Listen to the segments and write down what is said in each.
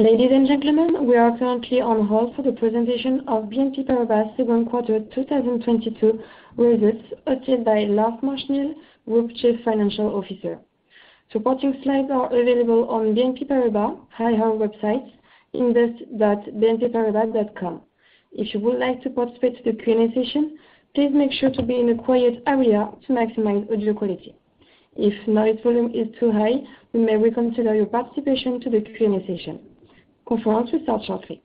Ladies and gentlemen, we are currently on hold for the presentation of BNP Paribas second quarter 2022 results, hosted by Lars Machenil, Group Chief Financial Officer. Supporting slides are available on BNP Paribas IR website invest.bnpparibas.com. If you would like to participate in the Q&A session, please make sure to be in a quiet area to maximize audio quality. If noise volume is too high, we may reconsider your participation to the Q&A session. Conference will start shortly.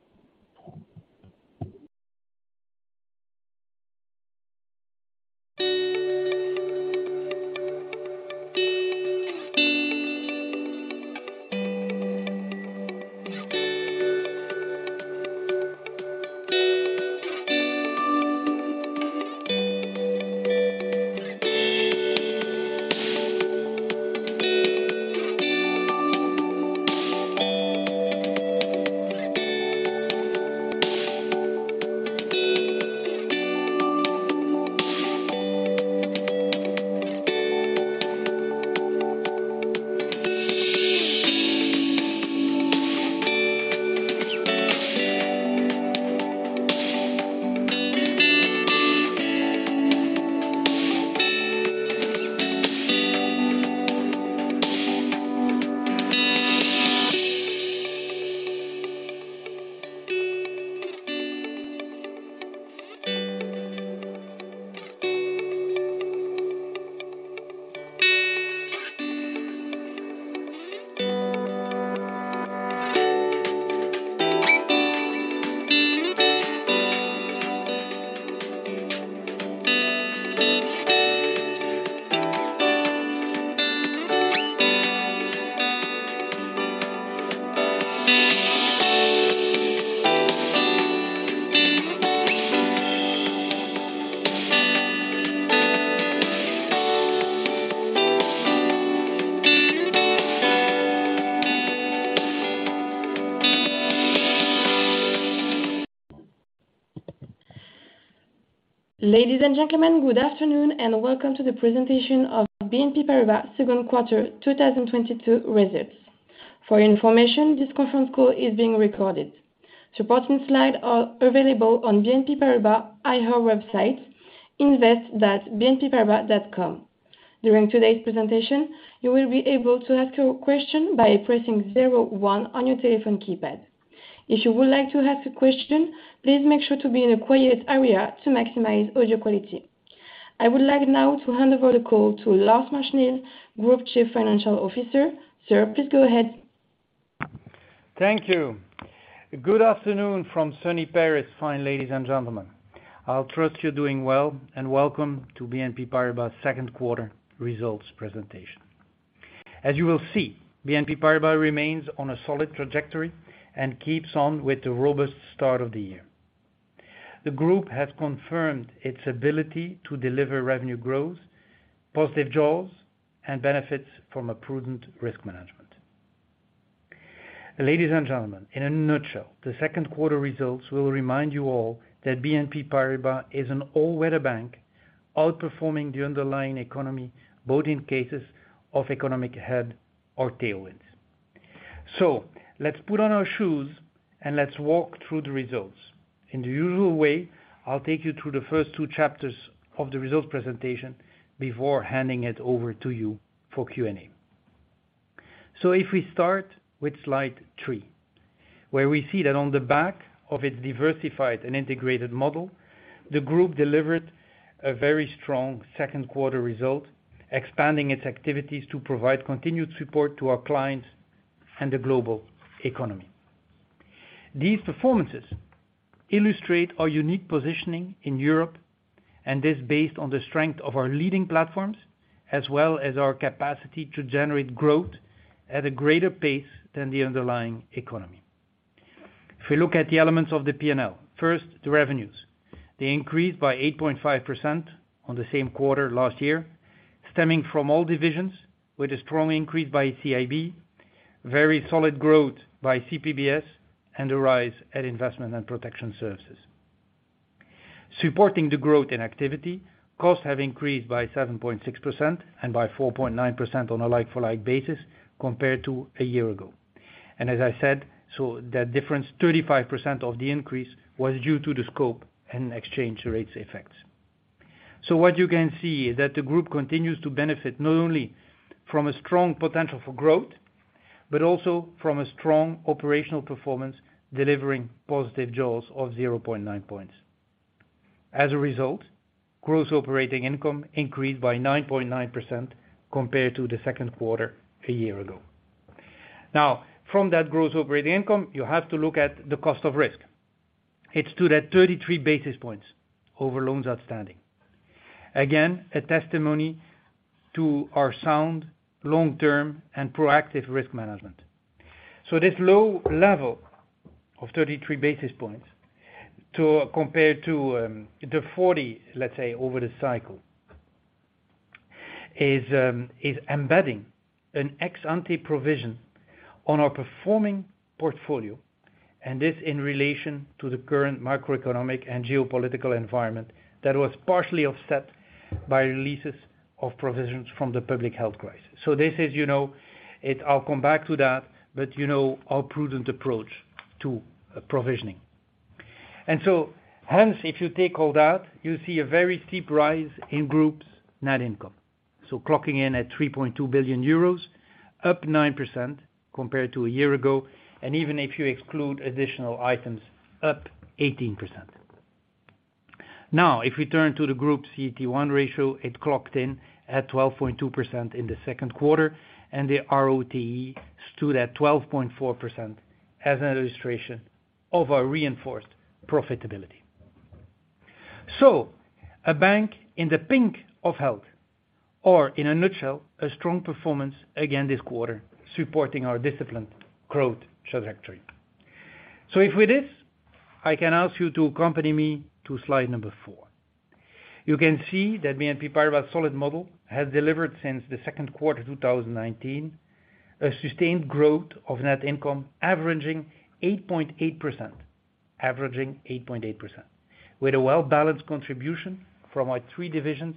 Ladies and gentlemen, good afternoon, and welcome to the presentation of BNP Paribas second quarter 2022 results. For your information, this conference call is being recorded. Supporting slides are available on BNP Paribas IR website invest.bnpparibas.com. During today's presentation, you will be able to ask your question by pressing zero on your telephone keypad. If you would like to ask a question, please make sure to be in a quiet area to maximize audio quality. I would like now to hand over the call to Lars Machenil, Group Chief Financial Officer. Sir, please go ahead. Thank you. Good afternoon from sunny Paris, fine ladies and gentlemen. I'll trust you're doing well, and welcome to BNP Paribas second quarter results presentation. As you will see, BNP Paribas remains on a solid trajectory and keeps on with the robust start of the year. The group has confirmed its ability to deliver revenue growth, positive jaws, and benefits from a prudent risk management. Ladies and gentlemen, in a nutshell, the second quarter results will remind you all that BNP Paribas is an all-weather bank, outperforming the underlying economy, both in cases of economic head or tailwinds. Let's put on our shoes and let's walk through the results. In the usual way, I'll take you through the first two chapters of the results presentation before handing it over to you for Q&A. If we start with slide three, where we see that on the back of its diversified and integrated model, the group delivered a very strong second quarter result, expanding its activities to provide continued support to our clients and the global economy. These performances illustrate our unique positioning in Europe and is based on the strength of our leading platforms, as well as our capacity to generate growth at a greater pace than the underlying economy. If we look at the elements of the P&L, first, the revenues. They increased by 8.5% on the same quarter last year, stemming from all divisions with a strong increase by CIB, very solid growth by CPBS, and a rise at Investment & Protection Services. Supporting the growth in activity, costs have increased by 7.6% and by 4.9% on a like-for-like basis compared to a year ago. As I said, so that difference, 35% of the increase was due to the scope and exchange rates effects. What you can see is that the group continues to benefit not only from a strong potential for growth, but also from a strong operational performance, delivering positive jaws of 0.9 points. As a result, gross operating income increased by 9.9% compared to the second quarter a year ago. Now, from that gross operating income, you have to look at the cost of risk. It stood at 33 basis points over loans outstanding. Again, a testimony to our sound, long-term, and proactive risk management. This low level of 33 basis points too. Compared to the 40 basis points, let's say, over the cycle is embedding an ex-ante provision on our performing portfolio. This in relation to the current macroeconomic and geopolitical environment that was partially offset by releases of provisions from the public health crisis. This is, you know, it. I'll come back to that, but you know, our prudent approach to provisioning. Hence, if you take all that, you see a very steep rise in group's net income. Clocking in at 3.2 billion euros, up 9% compared to a year ago, and even if you exclude additional items, up 18%. Now, if we turn to the group CET1 ratio, it clocked in at 12.2% in the second quarter, and the ROTE stood at 12.4% as an illustration of our reinforced profitability. A bank in the pink of health, or in a nutshell, a strong performance again this quarter supporting our disciplined growth trajectory. If with this, I can ask you to accompany me to slide number four. You can see that BNP Paribas solid model has delivered since the second quarter 2019, a sustained growth of net income averaging 8.8%, with a well-balanced contribution from our three divisions,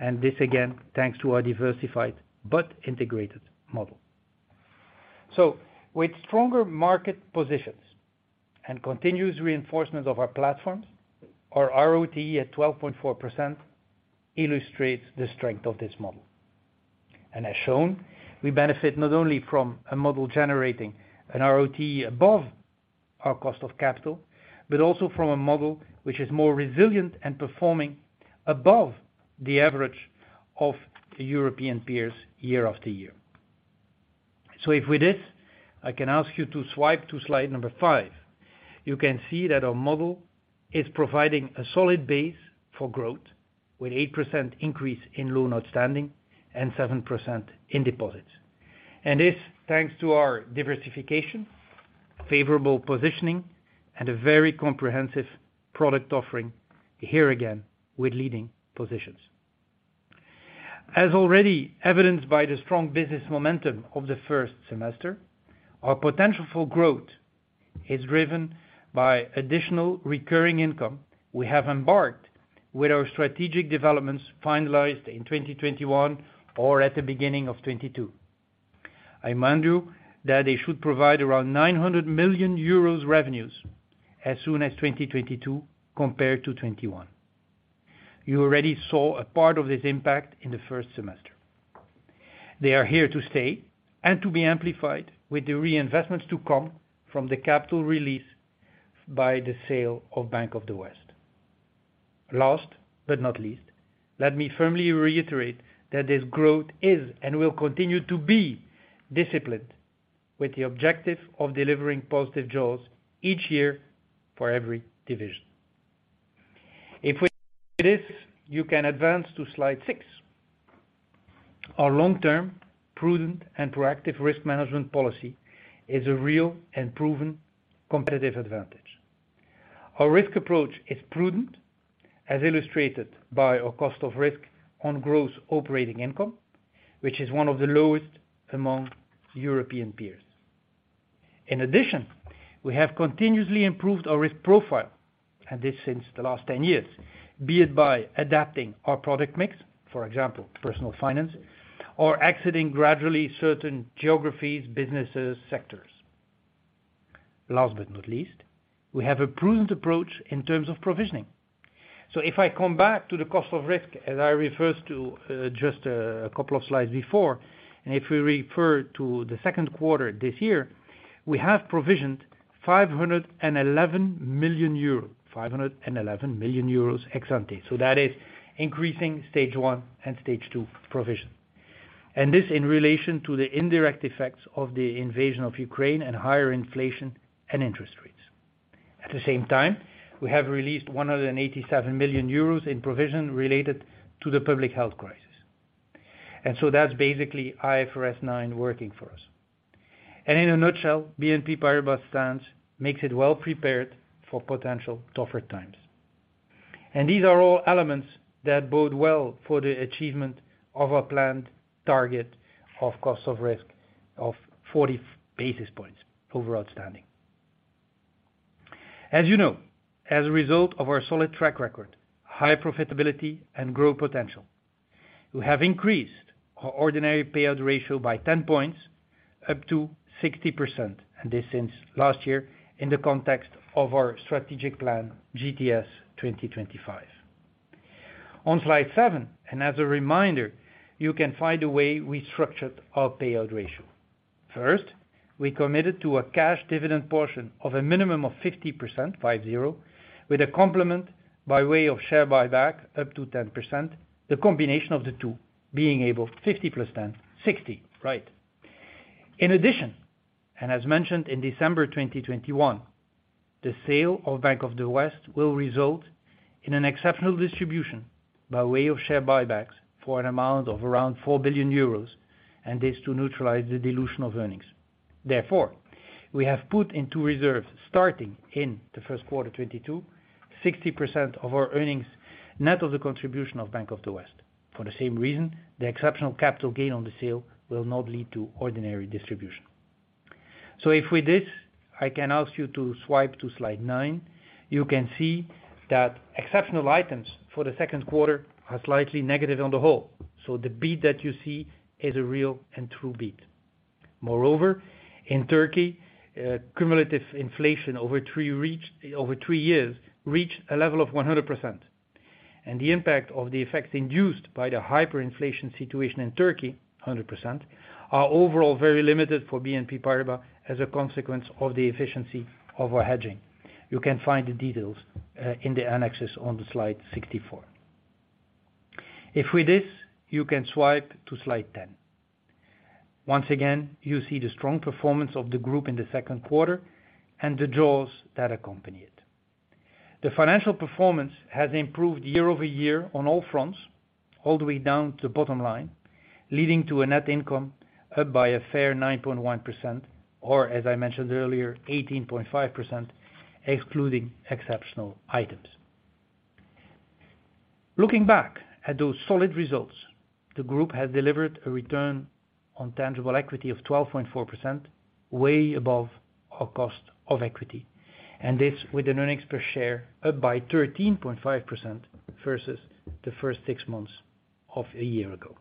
and this again, thanks to our diversified but integrated model. With stronger market positions and continuous reinforcement of our platforms, our ROTE at 12.4% illustrates the strength of this model. As shown, we benefit not only from a model generating an ROTE above our cost of capital, but also from a model which is more resilient and performing above the average of the European peers year after year. With this, I can ask you to swipe to slide number five. You can see that our model is providing a solid base for growth with 8% increase in loan outstanding and 7% in deposits. This, thanks to our diversification, favorable positioning, and a very comprehensive product offering, here again with leading positions. As already evidenced by the strong business momentum of the first semester, our potential for growth is driven by additional recurring income we have embarked with our strategic developments finalized in 2021 or at the beginning of 2022. I remind you that it should provide around 900 million euros revenues as soon as 2022 compared to 2021. You already saw a part of this impact in the first semester. They are here to stay and to be amplified with the reinvestments to come from the capital release by the sale of Bank of the West. Last but not least, let me firmly reiterate that this growth is and will continue to be disciplined with the objective of delivering positive jaws each year for every division. With this, you can advance to slide six. Our long-term, prudent, and proactive risk management policy is a real and proven competitive advantage. Our risk approach is prudent, as illustrated by our cost of risk on gross operating income, which is one of the lowest among European peers. In addition, we have continuously improved our risk profile, and this since the last 10 years, be it by adapting our product mix, for example, personal finance, or exiting gradually certain geographies, businesses, sectors. Last but not least, we have a prudent approach in terms of provisioning. If I come back to the cost of risk, as I referred to, just a couple of slides before, and if we refer to the second quarter this year, we have provisioned 511 million euros ex-ante. That is increasing stage one and stage two provision. This in relation to the indirect effects of the invasion of Ukraine and higher inflation and interest rates. At the same time, we have released 187 million euros in provision related to the public health crisis. That's basically IFRS 9 working for us. In a nutshell, BNP Paribas stance makes it well prepared for potential tougher times. These are all elements that bode well for the achievement of our planned target of cost of risk of 40 basis points over outstanding. As you know, as a result of our solid track record, high profitability, and growth potential, we have increased our ordinary payout ratio by 10 points up to 60%, and this since last year in the context of our strategic plan, GTS 2025. On slide seven, and as a reminder, you can find the way we structured our payout ratio. First, we committed to a cash dividend portion of a minimum of 50%, five zero, with a complement by way of share buyback up to 10%, the combination of the two being able 50% + 10%, 60%, right. In addition, as mentioned in December 2021, the sale of Bank of the West will result in an exceptional distribution by way of share buybacks for an amount of around 4 billion euros, and this to neutralize the dilution of earnings. Therefore, we have put into reserves starting in the first quarter 2022, 60% of our earnings, net of the contribution of Bank of the West. For the same reason, the exceptional capital gain on the sale will not lead to ordinary distribution. If with this, I can ask you to swipe to slide nine, you can see that exceptional items for the second quarter are slightly negative on the whole. The beat that you see is a real and true beat. Moreover, in Turkey, cumulative inflation over three years reached a level of 100%, and the impact of the effects induced by the hyperinflation situation in Turkey are overall very limited for BNP Paribas as a consequence of the efficiency of our hedging. You can find the details in the annexes on slide 64. If with this, you can swipe to slide 10. Once again, you see the strong performance of the group in the second quarter and the draws that accompany it. The financial performance has improved year-over-year on all fronts, all the way down to bottom line, leading to a net income up by a fair 9.1%, or as I mentioned earlier, 18.5%, excluding exceptional items. Looking back at those solid results, the group has delivered a return on tangible equity of 12.4%, way above our cost of equity, and this with an earnings per share up by 13.5% versus the first six months of a year ago.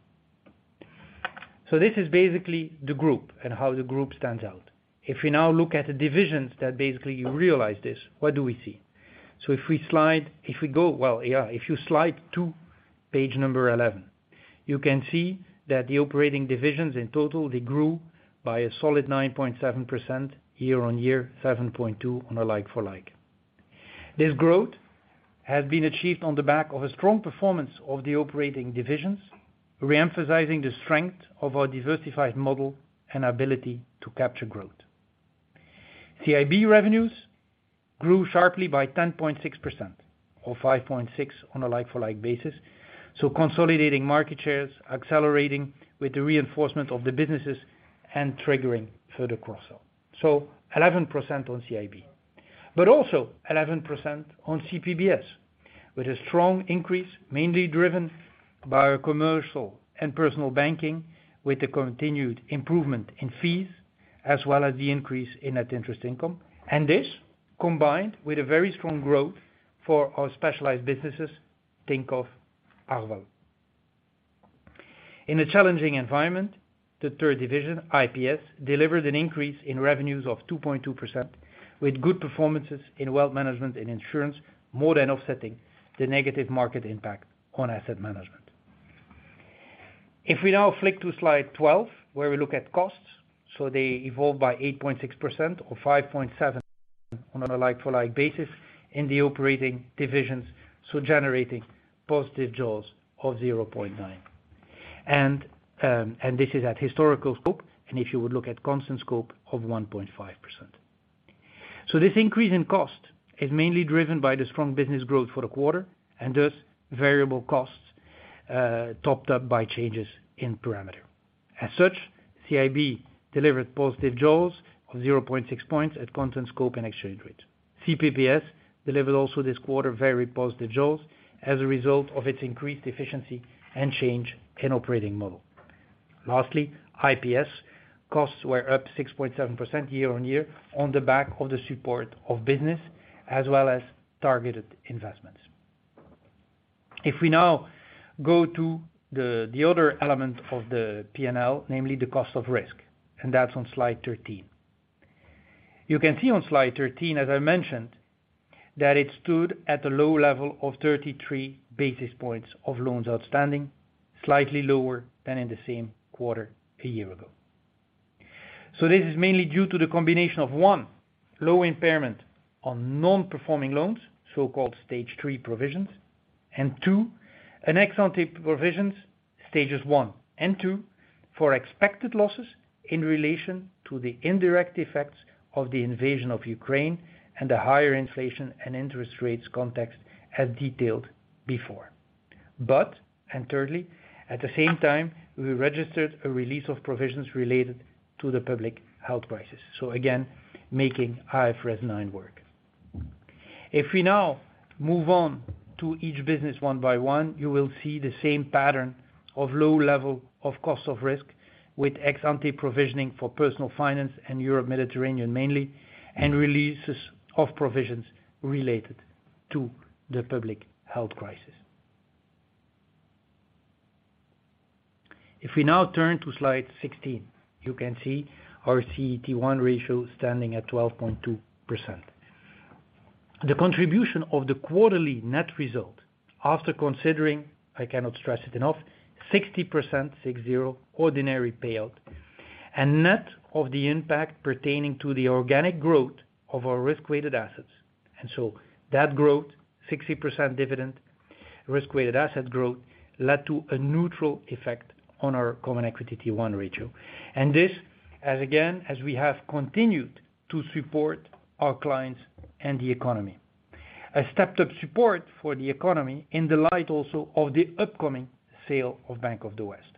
This is basically the group and how the group stands out. If we now look at the divisions that basically you realize this, what do we see? If we slide, if we go... Well, yeah, if you slide to page 11, you can see that the operating divisions in total, they grew by a solid 9.7% year-on-year, 7.2% on a like-for-like. This growth has been achieved on the back of a strong performance of the operating divisions, re-emphasizing the strength of our diversified model and ability to capture growth. CIB revenues grew sharply by 10.6% or 5.6% on a like-for-like basis, consolidating market shares, accelerating with the reinforcement of the businesses and triggering further crossover. 11% on CIB, but also 11% on CPBS, with a strong increase, mainly driven by our Commercial and Personal Banking with the continued improvement in fees as well as the increase in net interest income. This, combined with a very strong growth for our specialized businesses, think of Arval. In a challenging environment, the third division, IPS, delivered an increase in revenues of 2.2%, with good performances in wealth management and insurance, more than offsetting the negative market impact on asset management. If we now flick to slide 12, where we look at costs, they evolve by 8.6% or 5.7% on a like-for-like basis in the operating divisions, generating positive jaws of 0.9 points. This is at historical scope, and if you would look at constant scope of 1.5%. This increase in cost is mainly driven by the strong business growth for the quarter and thus variable costs, topped up by changes in parameter. As such, CIB delivered positive jaws of 0.6 points at constant scope and exchange rate. CPBS delivered also this quarter very positive jaws as a result of its increased efficiency and change in operating model. Lastly, IPS costs were up 6.7% year-on-year on the back of the support of business as well as targeted investments. If we now go to the other element of the P&L, namely the cost of risk, and that's on slide 13. You can see on slide 13, as I mentioned, that it stood at a low level of 33 basis points of loans outstanding, slightly lower than in the same quarter a year ago. This is mainly due to the combination of, one, low impairment on non-performing loans, so-called Stage 3 provisions, and two, an ex-ante provisions Stages 1 and 2 for expected losses in relation to the indirect effects of the invasion of Ukraine and the higher inflation and interest rates context as detailed before. And thirdly, at the same time, we registered a release of provisions related to the public health crisis. Again, making IFRS 9 work. If we now move on to each business one by one, you will see the same pattern of low level of cost of risk with ex-ante provisioning for personal finance and Europe-Mediterranean mainly, and releases of provisions related to the public health crisis. If we now turn to slide 16, you can see our CET1 ratio standing at 12.2%. The contribution of the quarterly net result after considering, I cannot stress it enough, 60%, six zero, ordinary payout and net of the impact pertaining to the organic growth of our risk-weighted assets. That growth, 60% dividend, risk-weighted asset growth, led to a neutral effect on our CET1 ratio. This, as we have again continued to support our clients and the economy, a stepped-up support for the economy in the light also of the upcoming sale of Bank of the West.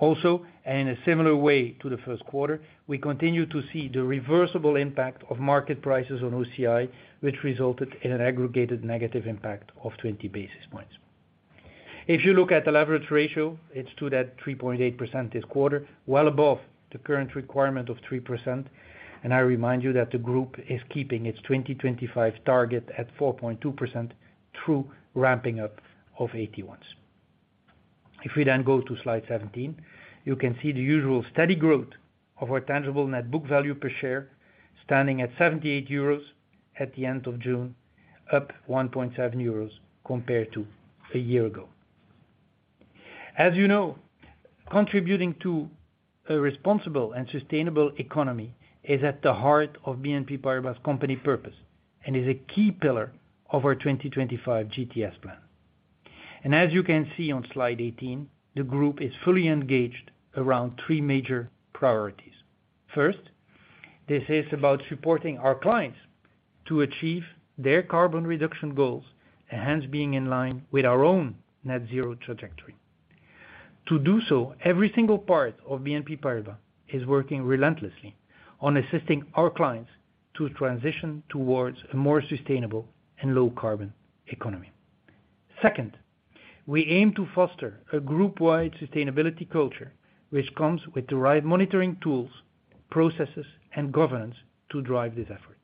Also, in a similar way to the first quarter, we continue to see the reversible impact of market prices on OCI, which resulted in an aggregate negative impact of 20 basis points. If you look at the leverage ratio, it's 3.8% this quarter, well above the current requirement of 3%, and I remind you that the group is keeping its 2025 target at 4.2% through ramping up of AT1s. If we then go to slide 17, you can see the usual steady growth of our tangible net book value per share, standing at 78 euros at the end of June, up 1.7 euros compared to a year ago. As you know, contributing to a responsible and sustainable economy is at the heart of BNP Paribas' company purpose, and is a key pillar of our 2025 GTS plan. As you can see on slide 18, the group is fully engaged around three major priorities. First, this is about supporting our clients to achieve their carbon reduction goals, and hence being in line with our own net zero trajectory. To do so, every single part of BNP Paribas is working relentlessly on assisting our clients to transition towards a more sustainable and low carbon economy. Second, we aim to foster a group-wide sustainability culture, which comes with the right monitoring tools, processes, and governance to drive this effort.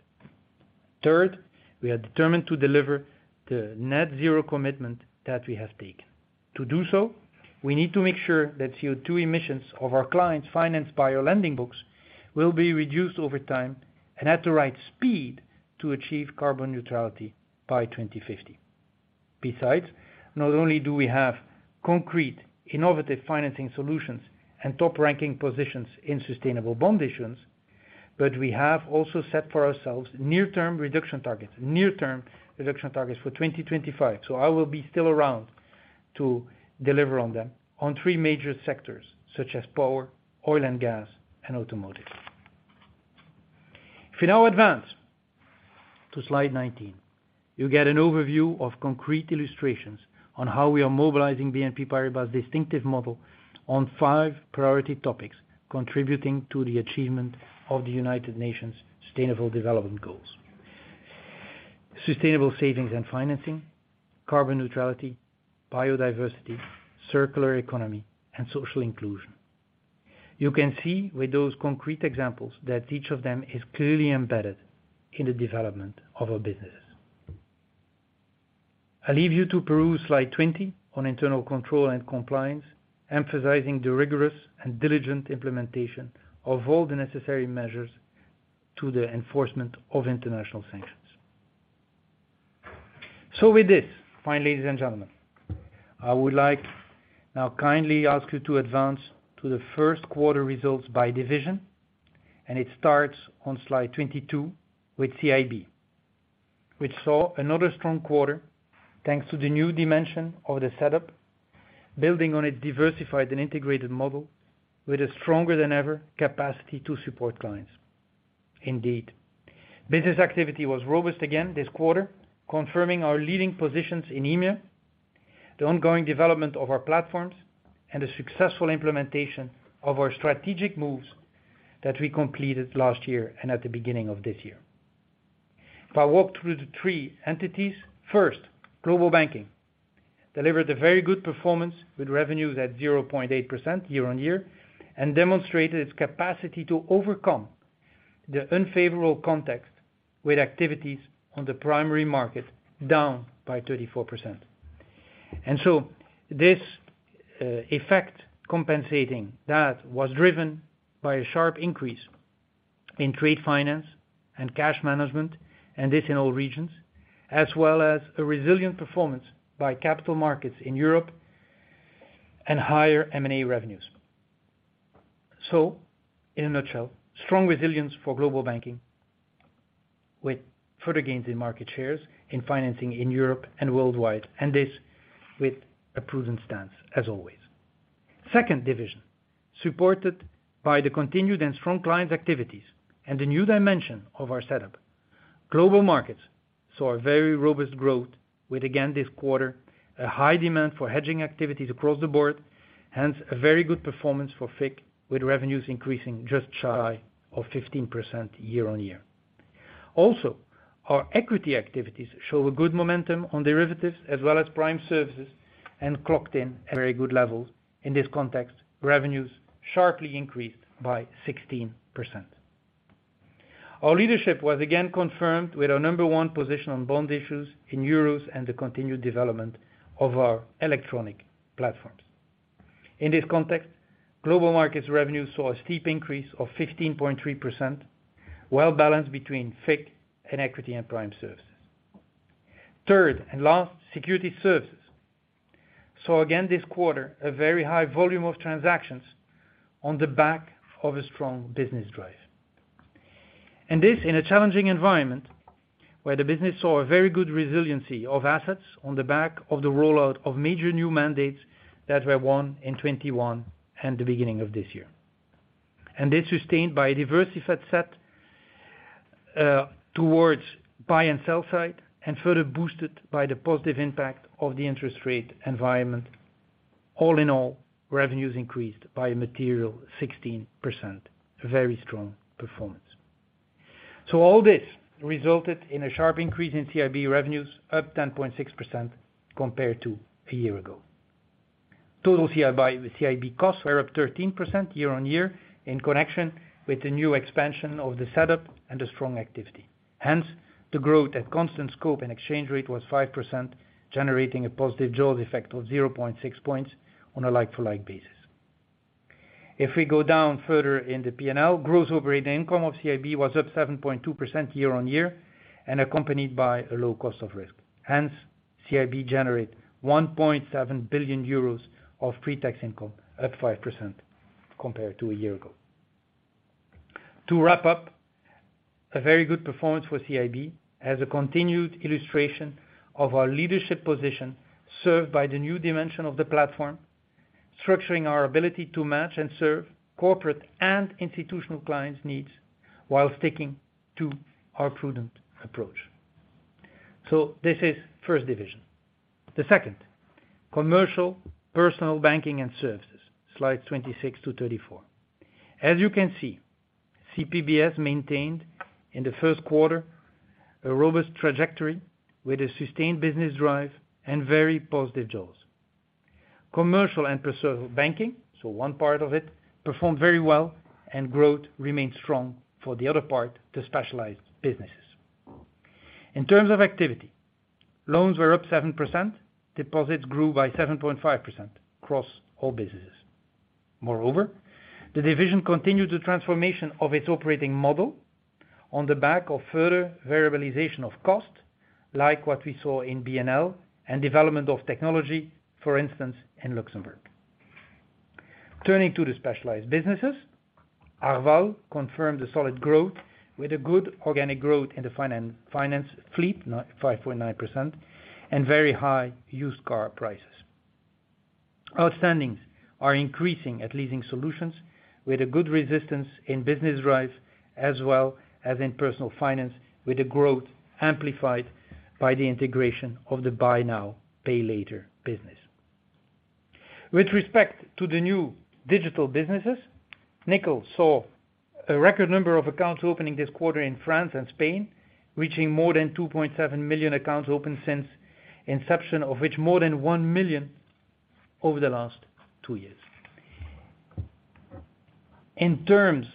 Third, we are determined to deliver the net zero commitment that we have taken. To do so, we need to make sure that CO2 emissions of our clients financed by our lending books will be reduced over time and at the right speed to achieve carbon neutrality by 2050. Besides, not only do we have concrete, innovative financing solutions and top-ranking positions in sustainable bond issues, but we have also set for ourselves near-term reduction targets for 2025, so I will be still around to deliver on them on three major sectors, such as power, oil and gas, and automotive. If we now advance to slide 19, you get an overview of concrete illustrations on how we are mobilizing BNP Paribas' distinctive model on five priority topics contributing to the achievement of the United Nations' Sustainable Development Goals. Sustainable savings and financing, carbon neutrality, biodiversity, circular economy, and social inclusion. You can see with those concrete examples that each of them is clearly embedded in the development of a business. I leave you to peruse slide 20 on internal control and compliance, emphasizing the rigorous and diligent implementation of all the necessary measures to the enforcement of international sanctions. With this, fine ladies and gentlemen, I would like now kindly ask you to advance to the first quarter results by division, and it starts on slide 22 with CIB, which saw another strong quarter, thanks to the new dimension of the setup, building on a diversified and integrated model with a stronger than ever capacity to support clients. Indeed, business activity was robust again this quarter, confirming our leading positions in EMEA, the ongoing development of our platforms, and the successful implementation of our strategic moves that we completed last year and at the beginning of this year. If I walk through the three entities, first, Global Banking delivered a very good performance with revenues at 0.8% year-on-year and demonstrated its capacity to overcome the unfavorable context with activities on the primary market down by 34%. This effect compensating that was driven by a sharp increase in trade finance and cash management, and this in all regions, as well as a resilient performance by capital markets in Europe and higher M&A revenues. In a nutshell, strong resilience for Global Banking with further gains in market shares, in financing in Europe and worldwide, and this with a prudent stance as always. Second division, supported by the continued and strong client activities and the new dimension of our setup. Global Markets saw a very robust growth with, again, this quarter, a high demand for hedging activities across the board, hence a very good performance for FICC with revenues increasing just shy of 15% year-on-year. Our equity activities show a good momentum on derivatives as well as prime services and clocked in at very good levels. In this context, revenues sharply increased by 16%. Our leadership was again confirmed with our number one position on bond issues in euros and the continued development of our electronic platforms. In this context, Global Markets revenue saw a steep increase of 15.3%, well-balanced between FICC and Equity & Prime Services. Third and last, Securities Services saw again this quarter a very high volume of transactions on the back of a strong business drive. This, in a challenging environment where the business saw a very good resiliency of assets on the back of the rollout of major new mandates that were won in 2021 and the beginning of this year. This sustained by a diversified set towards buy and sell side and further boosted by the positive impact of the interest rate environment. All in all, revenues increased by a material 16%, a very strong performance. All this resulted in a sharp increase in CIB revenues, up 10.6% compared to a year ago. Total CIB costs were up 13% year-over-year in connection with the new expansion of the setup and the strong activity. Hence, the growth at constant scope and exchange rate was 5%, generating a positive jaws effect of 0.6 points on a like-for-like basis. If we go down further in the P&L, gross operating income of CIB was up 7.2% year-on-year and accompanied by a low cost of risk. Hence, CIB generate 1.7 billion euros of pre-tax income at 5% compared to a year ago. To wrap up, a very good performance for CIB as a continued illustration of our leadership position, served by the new dimension of the platform, structuring our ability to match and serve corporate and institutional clients' needs while sticking to our prudent approach. This is first division. The second, Commercial Personal Banking and Services, slides 26-34. As you can see, CPBS maintained in the first quarter a robust trajectory with a sustained business drive and very positive jaws. Commercial and Personal Banking, so one part of it, performed very well, and growth remained strong for the other part, the specialized businesses. In terms of activity, loans were up 7%, deposits grew by 7.5% across all businesses. Moreover, the division continued the transformation of its operating model on the back of further variabilization of cost, like what we saw in BNL and development of technology, for instance, in Luxembourg. Turning to the specialized businesses, Arval confirmed a solid growth with a good organic growth in the finance fleet, 9.5%, and very high used car prices. Outstandings are increasing at leasing solutions with a good resistance in business lines, as well as in personal finance, with the growth amplified by the integration of the buy now, pay later business. With respect to the new digital businesses, Nickel saw a record number of accounts opening this quarter in France and Spain, reaching more than 2.7 million accounts open since inception, of which more than 1 million over the last two years. In terms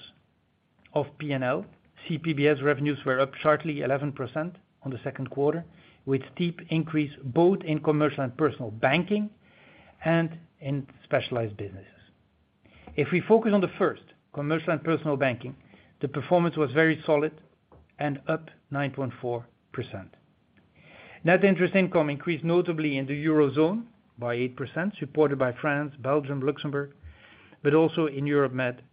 of P&L, CPBS revenues were up sharply 11% on the second quarter, with steep increase both in Commercial and Personal Banking and in specialized businesses. If we focus on the first, Commercial and Personal Banking, the performance was very solid and up 9.4%. Net interest income increased notably in the Eurozone by 8%, supported by France, Belgium, Luxembourg, but also in Europe-Mediterranean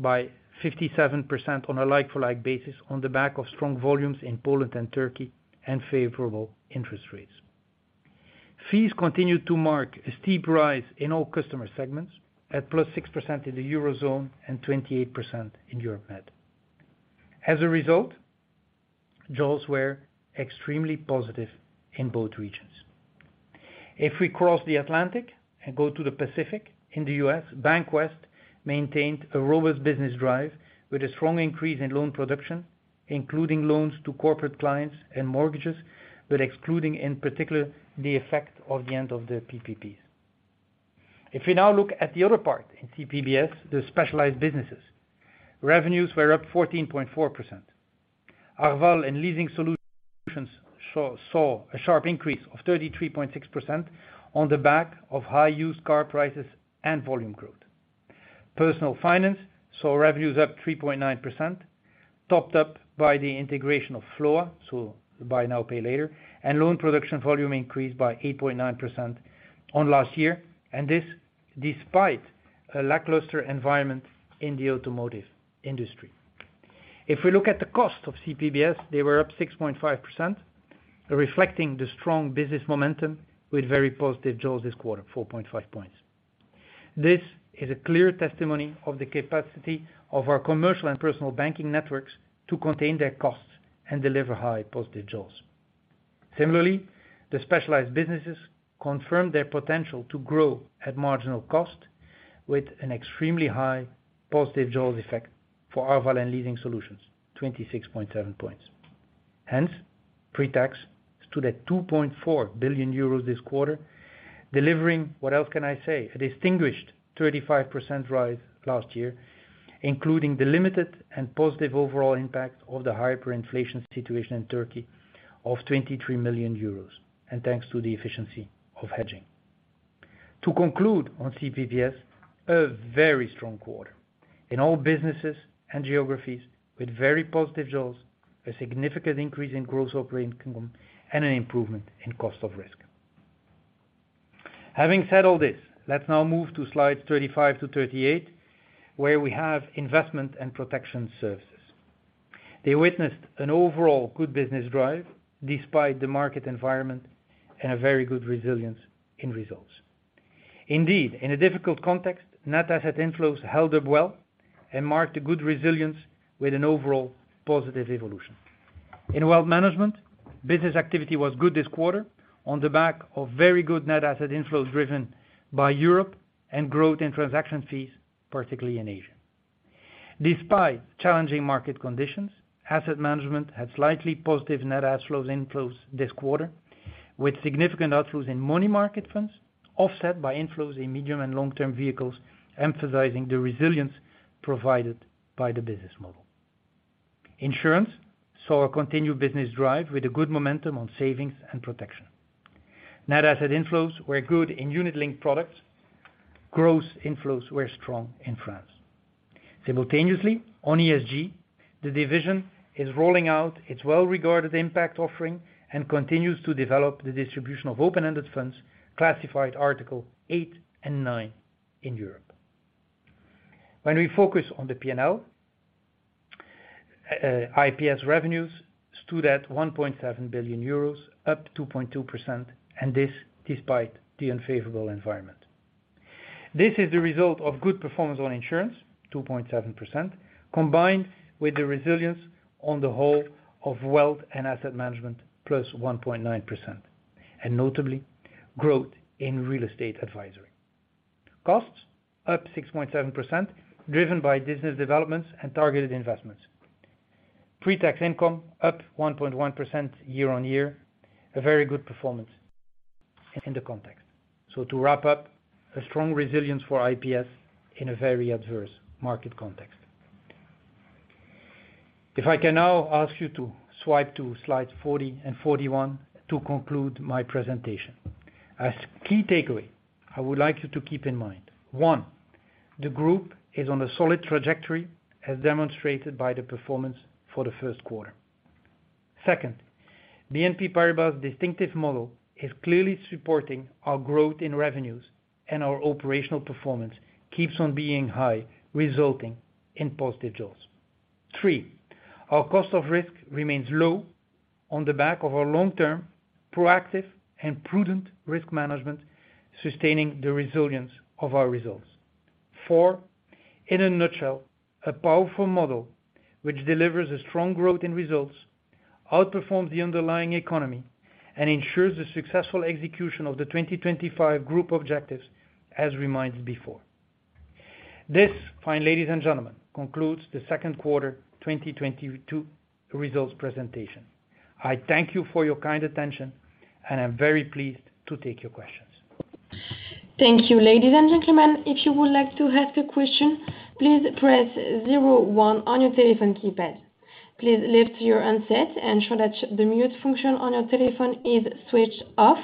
by 57% on a like-for-like basis on the back of strong volumes in Poland and Turkey and favorable interest rates. Fees continued to mark a steep rise in all customer segments at +6% in the Eurozone and 28% in Europe-Mediterranean. As a result, jaws were extremely positive in both regions. If we cross the Atlantic and go to the Pacific in the U.S., Bank of the West maintained a robust business drive with a strong increase in loan production, including loans to corporate clients and mortgages, but excluding, in particular, the effect of the end of the PPPs. If we now look at the other part in CPBS, the specialized businesses, revenues were up 14.4%. Arval and Leasing Solutions saw a sharp increase of 33.6% on the back of high used car prices and volume growth. Personal finance saw revenues up 3.9%, topped up by the integration of FLOA, so buy now, pay later, and loan production volume increased by 8.9% on last year. This despite a lackluster environment in the automotive industry. If we look at the cost of CPBS, they were up 6.5%, reflecting the strong business momentum with very positive jaws this quarter, 4.5 points. This is a clear testimony of the capacity of our Commercial and Personal Banking networks to contain their costs and deliver high positive jaws. Similarly, the specialized businesses confirmed their potential to grow at marginal cost with an extremely high positive jaws effect for Arval and Leasing Solutions, 26.7 points. Hence, pre-tax stood at 2.4 billion euros this quarter, delivering, what else can I say, a distinguished 35% rise last year, including the limited and positive overall impact of the hyperinflation situation in Turkey of 23 million euros, and thanks to the efficiency of hedging. To conclude on CPBS, a very strong quarter in all businesses and geographies with very positive jaws, a significant increase in gross operating income, and an improvement in cost of risk. Having said all this, let's now move to slides 35-38, where we have Investment & Protection Services. They witnessed an overall good business drive despite the market environment and a very good resilience in results. Indeed, in a difficult context, net asset inflows held up well and marked a good resilience with an overall positive evolution. In wealth management, business activity was good this quarter on the back of very good net asset inflows driven by Europe and growth in transaction fees, particularly in Asia. Despite challenging market conditions, asset management had slightly positive net asset inflows this quarter, with significant outflows in money market funds offset by inflows in medium and long-term vehicles, emphasizing the resilience provided by the business model. Insurance saw a continued business drive with a good momentum on savings and protection. Net asset inflows were good in unit-linked products. Gross inflows were strong in France. Simultaneously, on ESG, the division is rolling out its well-regarded impact offering and continues to develop the distribution of open-ended funds classified Article 8 and 9 in Europe. When we focus on the P&L, IPS revenues stood at 1.7 billion euros, up 2.2%, and this despite the unfavorable environment. This is the result of good performance on insurance, 2.7%, combined with the resilience on the whole of wealth and asset management, +1.9%, and notably, growth in real estate advisory. Costs up 6.7%, driven by business developments and targeted investments. Pre-tax income up 1.1% year-on-year, a very good performance in the context. To wrap up, a strong resilience for IPS in a very adverse market context. If I can now ask you to swipe to slide 40 and 41 to conclude my presentation. As key takeaway, I would like you to keep in mind, one, the group is on a solid trajectory as demonstrated by the performance for the first quarter. Second, BNP Paribas' distinctive model is clearly supporting our growth in revenues, and our operational performance keeps on being high, resulting in positive jaws. Three, our cost of risk remains low on the back of our long-term, proactive, and prudent risk management, sustaining the resilience of our results. Four, in a nutshell, a powerful model which delivers a strong growth in results, outperforms the underlying economy, and ensures the successful execution of the 2025 group objectives as reminded before. This, fine ladies and gentlemen, concludes the second quarter 2022 results presentation. I thank you for your kind attention, and I'm very pleased to take your questions. Thank you. Ladies and gentlemen, if you would like to ask a question, please press zero one on your telephone keypad. Please lift your handset, ensure that the mute function on your telephone is switched off,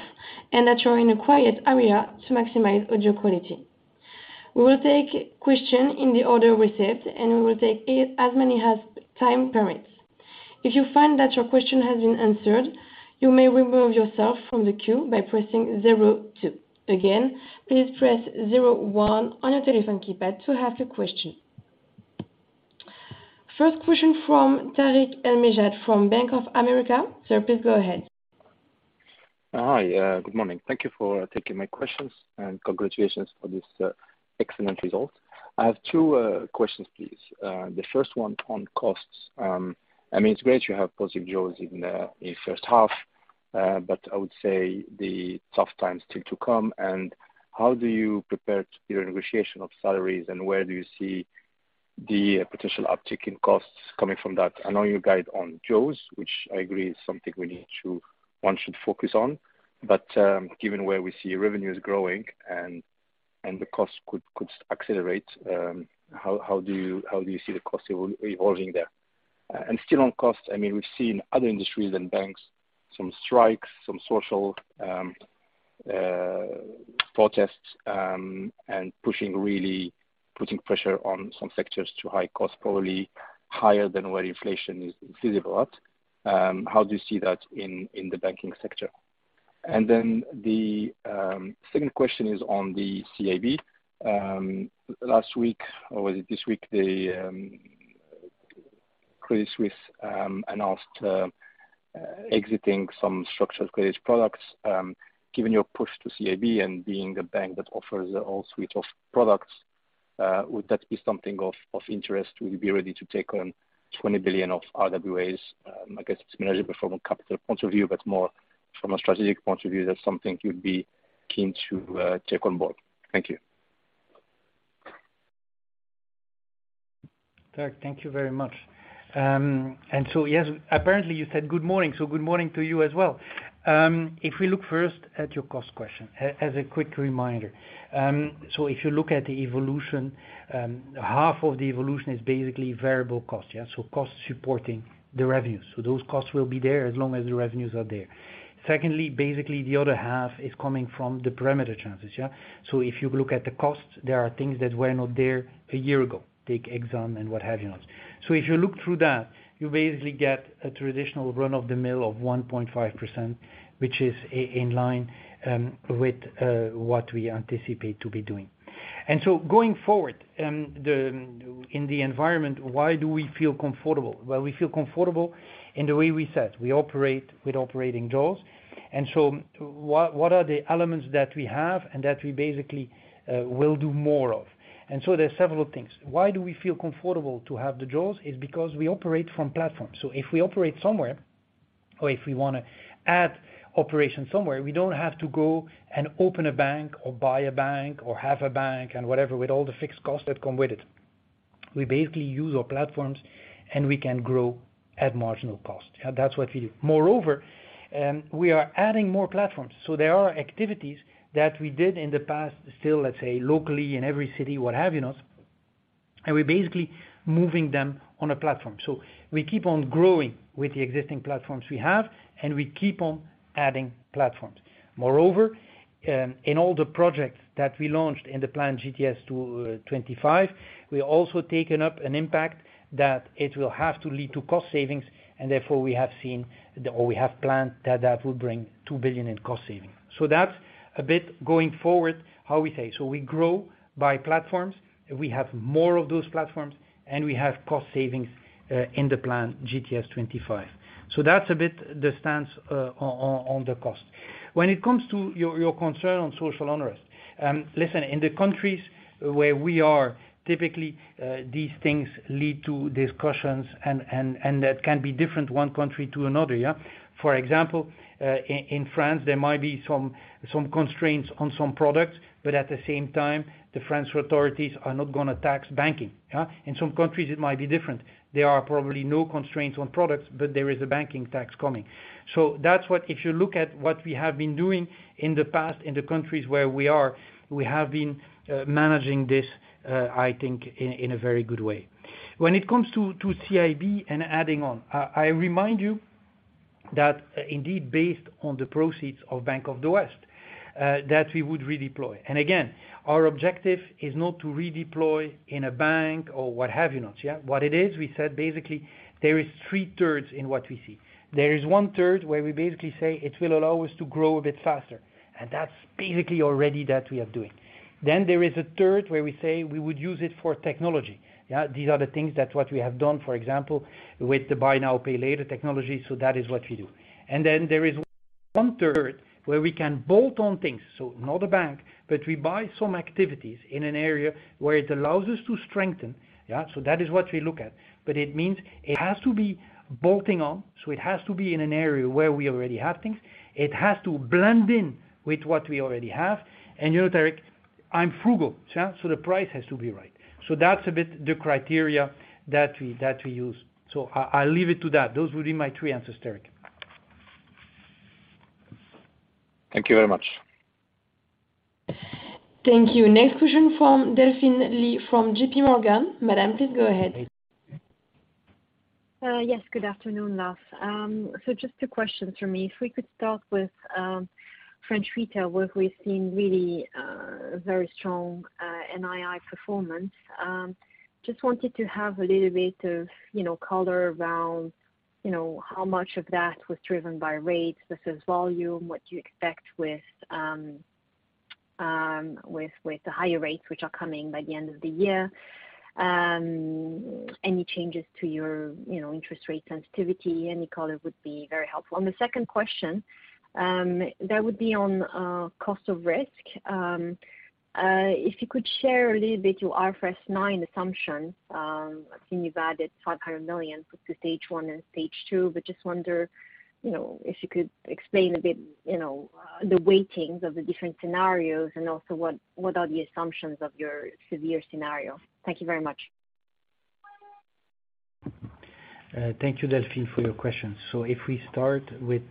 and that you're in a quiet area to maximize audio quality. We will take questions in the order received, and we will take as many as time permits. If you find that your question has been answered, you may remove yourself from the queue by pressing zero two. Again, please press zero one on your telephone keypad to ask a question. First question from Tarik El Mejjad from Bank of America. Sir, please go ahead. Hi. Good morning. Thank you for taking my questions, and congratulations for this excellent result. I have two questions, please. The first one on costs. I mean, it's great you have positive jobs in first half, but I would say the tough times still to come. How do you prepare your negotiation of salaries, and where do you see the potential uptick in costs coming from that? I know you guide on jobs, which I agree is something we need to, one should focus on. Given where we see revenues growing and the costs could accelerate, how do you see the costs evolving there? Still on cost, I mean, we've seen other industries and banks, some strikes, some social protests, and pushing, really putting pressure on some sectors to high cost, probably higher than where inflation is visible at. How do you see that in the banking sector? Second question is on the CIB. Last week, or was it this week? They, Credit Suisse, announced exiting some structured credit products. Given your push to CIB and being a bank that offers a whole suite of products, would that be something of interest? Will you be ready to take on 20 billion of RWAs? I guess it's manageable from a capital point of view, but more from a strategic point of view, that's something you'd be keen to take on board. Thank you. Tarik, thank you very much. Yes, apparently you said good morning, so good morning to you as well. If we look first at your cost question, as a quick reminder, if you look at the evolution, half of the evolution is basically variable cost, yeah? Costs supporting the revenues. Those costs will be there as long as the revenues are there. Secondly, basically the other half is coming from the parameter changes, yeah? If you look at the costs, there are things that were not there a year ago. Take ex-ante and what have you not. If you look through that, you basically get a traditional run-of-the-mill of 1.5%, which is in line with what we anticipate to be doing. Going forward, in the environment, why do we feel comfortable? Well, we feel comfortable in the way we said. We operate with operating jaws. What are the elements that we have and that we basically will do more of? There's several things. Why do we feel comfortable to have the jaws? Is because we operate from platforms. If we operate somewhere, or if we wanna add operation somewhere, we don't have to go and open a bank or buy a bank or have a bank and whatever, with all the fixed costs that come with it. We basically use our platforms, and we can grow at marginal cost. That's what we do. Moreover, we are adding more platforms, so there are activities that we did in the past, still, let's say, locally in every city, what have you not, and we're basically moving them on a platform. We keep on growing with the existing platforms we have, and we keep on adding platforms. Moreover, in all the projects that we launched in the planned GTS 2025, we also taken up an impact that it will have to lead to cost savings, and therefore we have seen or we have planned that that will bring 2 billion in cost savings. That's a bit going forward, how we say. We grow by platforms, we have more of those platforms, and we have cost savings in the plan GTS 2025. That's a bit the stance on the cost. When it comes to your concern on social unrest, listen, in the countries where we are, typically, these things lead to discussions and that can be different one country to another, yeah. For example, in France, there might be some constraints on some products, but at the same time, the French authorities are not gonna tax banking, yeah. In some countries, it might be different. There are probably no constraints on products, but there is a banking tax coming. That's what, if you look at what we have been doing in the past in the countries where we are, we have been managing this, I think in a very good way. When it comes to CIB and adding on, I remind you that indeed based on the proceeds of Bank of the West that we would redeploy. Again, our objective is not to redeploy in a bank or what have you not, yeah. What it is, we said basically, there is 3/3 in what we see. There is 1/3 where we basically say it will allow us to grow a bit faster, and that's basically already that we are doing. There is 1/3 where we say we would use it for technology. Yeah, these are the things that what we have done, for example, with the buy now, pay later technology, so that is what we do. There is 1/3 where we can bolt on things, so not a bank, but we buy some activities in an area where it allows us to strengthen, yeah. That is what we look at. It means it has to be bolting on, so it has to be in an area where we already have things. It has to blend in with what we already have. You know, Tarik, I'm frugal, so the price has to be right. That's a bit the criteria that we use. I leave it to that. Those would be my three answers, Tarik. Thank you very much. Thank you. Next question from Delphine Lee from JPMorgan. Madam, please go ahead. Yes. Good afternoon, Lars. Just two questions from me. If we could start with French retail, where we've seen really very strong NII performance. Just wanted to have a little bit of, you know, color around, you know, how much of that was driven by rates versus volume, what you expect with the higher rates which are coming by the end of the year. Any changes to your, you know, interest rate sensitivity, any color would be very helpful. On the second question, that would be on cost of risk. If you could share a little bit your IFRS 9 assumptions. I've seen you've added 500 million for the Stage 1 and Stage 2, but just wonder, you know, if you could explain a bit, you know, the weightings of the different scenarios and also what are the assumptions of your severe scenario. Thank you very much. Thank you, Delphine, for your questions. If we start with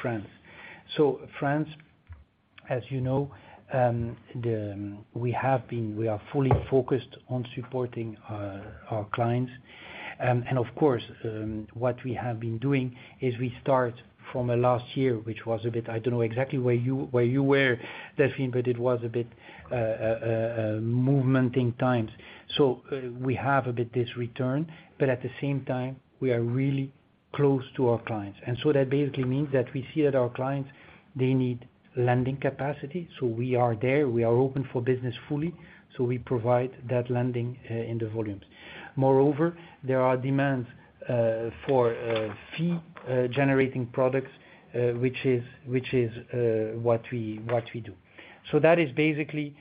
France. France, as you know, we are fully focused on supporting our clients. Of course, what we have been doing is we start from last year, which was a bit. I don't know exactly where you were, Delphine, but it was a bit movement in times. We have a bit this return, but at the same time, we are really close to our clients. That basically means that we see that our clients they need lending capacity, so we are there. We are open for business fully, so we provide that lending in the volumes. Moreover, there are demands for fee generating products, which is what we do. That is basically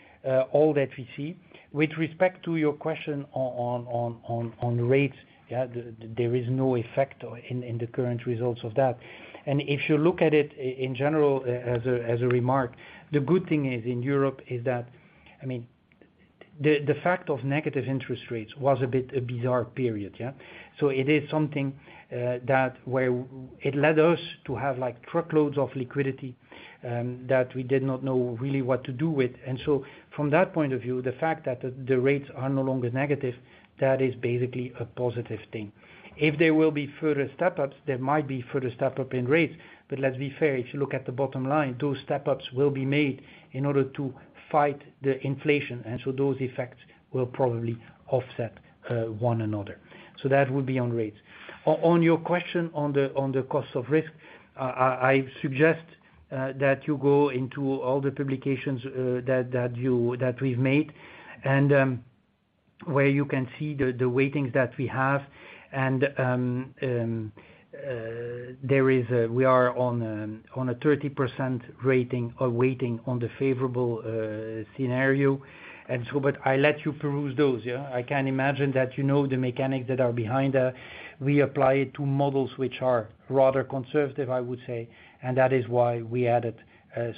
all that we see. With respect to your question on rates, there is no effect in the current results of that. If you look at it in general as a remark, the good thing is in Europe is that, I mean, the fact of negative interest rates was a bit bizarre period. It is something that where it led us to have, like, truckloads of liquidity that we did not know really what to do with. From that point of view, the fact that the rates are no longer negative, that is basically a positive thing. If there will be further step-ups, there might be further step-up in rates, but let's be fair, if you look at the bottom line, those step-ups will be made in order to fight the inflation. Those effects will probably offset one another. That would be on rates. On your question on the cost of risk, I suggest that you go into all the publications that we've made. Where you can see the weightings that we have and we are on a 30% rating or weighting on the favorable scenario. But I let you peruse those, yeah. I can imagine that you know the mechanics that are behind. We apply it to models which are rather conservative, I would say, and that is why we added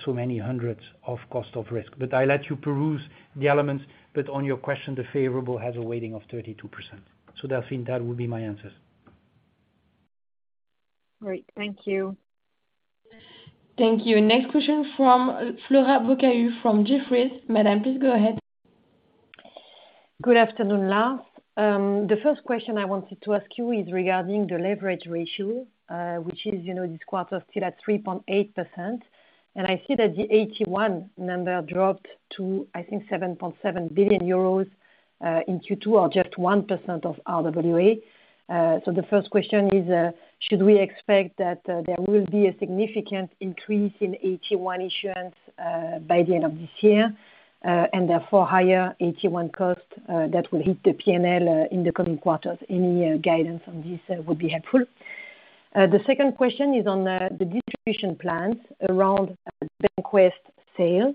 so many hundreds of cost of risk. I let you peruse the elements, but on your question, the favorable has a weighting of 32%. Delphine, that would be my answers. Great. Thank you. Thank you. Next question from Flora Bocahut from Jefferies. Madame, please go ahead. Good afternoon, Lars. The first question I wanted to ask you is regarding the leverage ratio, which is, you know, this quarter still at 3.8%. I see that the AT1 number dropped to, I think, 7.7 billion euros in Q2 or just 1% of RWA. The first question is, should we expect that there will be a significant increase in AT1 issuance by the end of this year and therefore higher AT1 cost that will hit the P&L in the coming quarters? Any guidance on this would be helpful. The second question is on the distribution plans around the Bank of the West sale.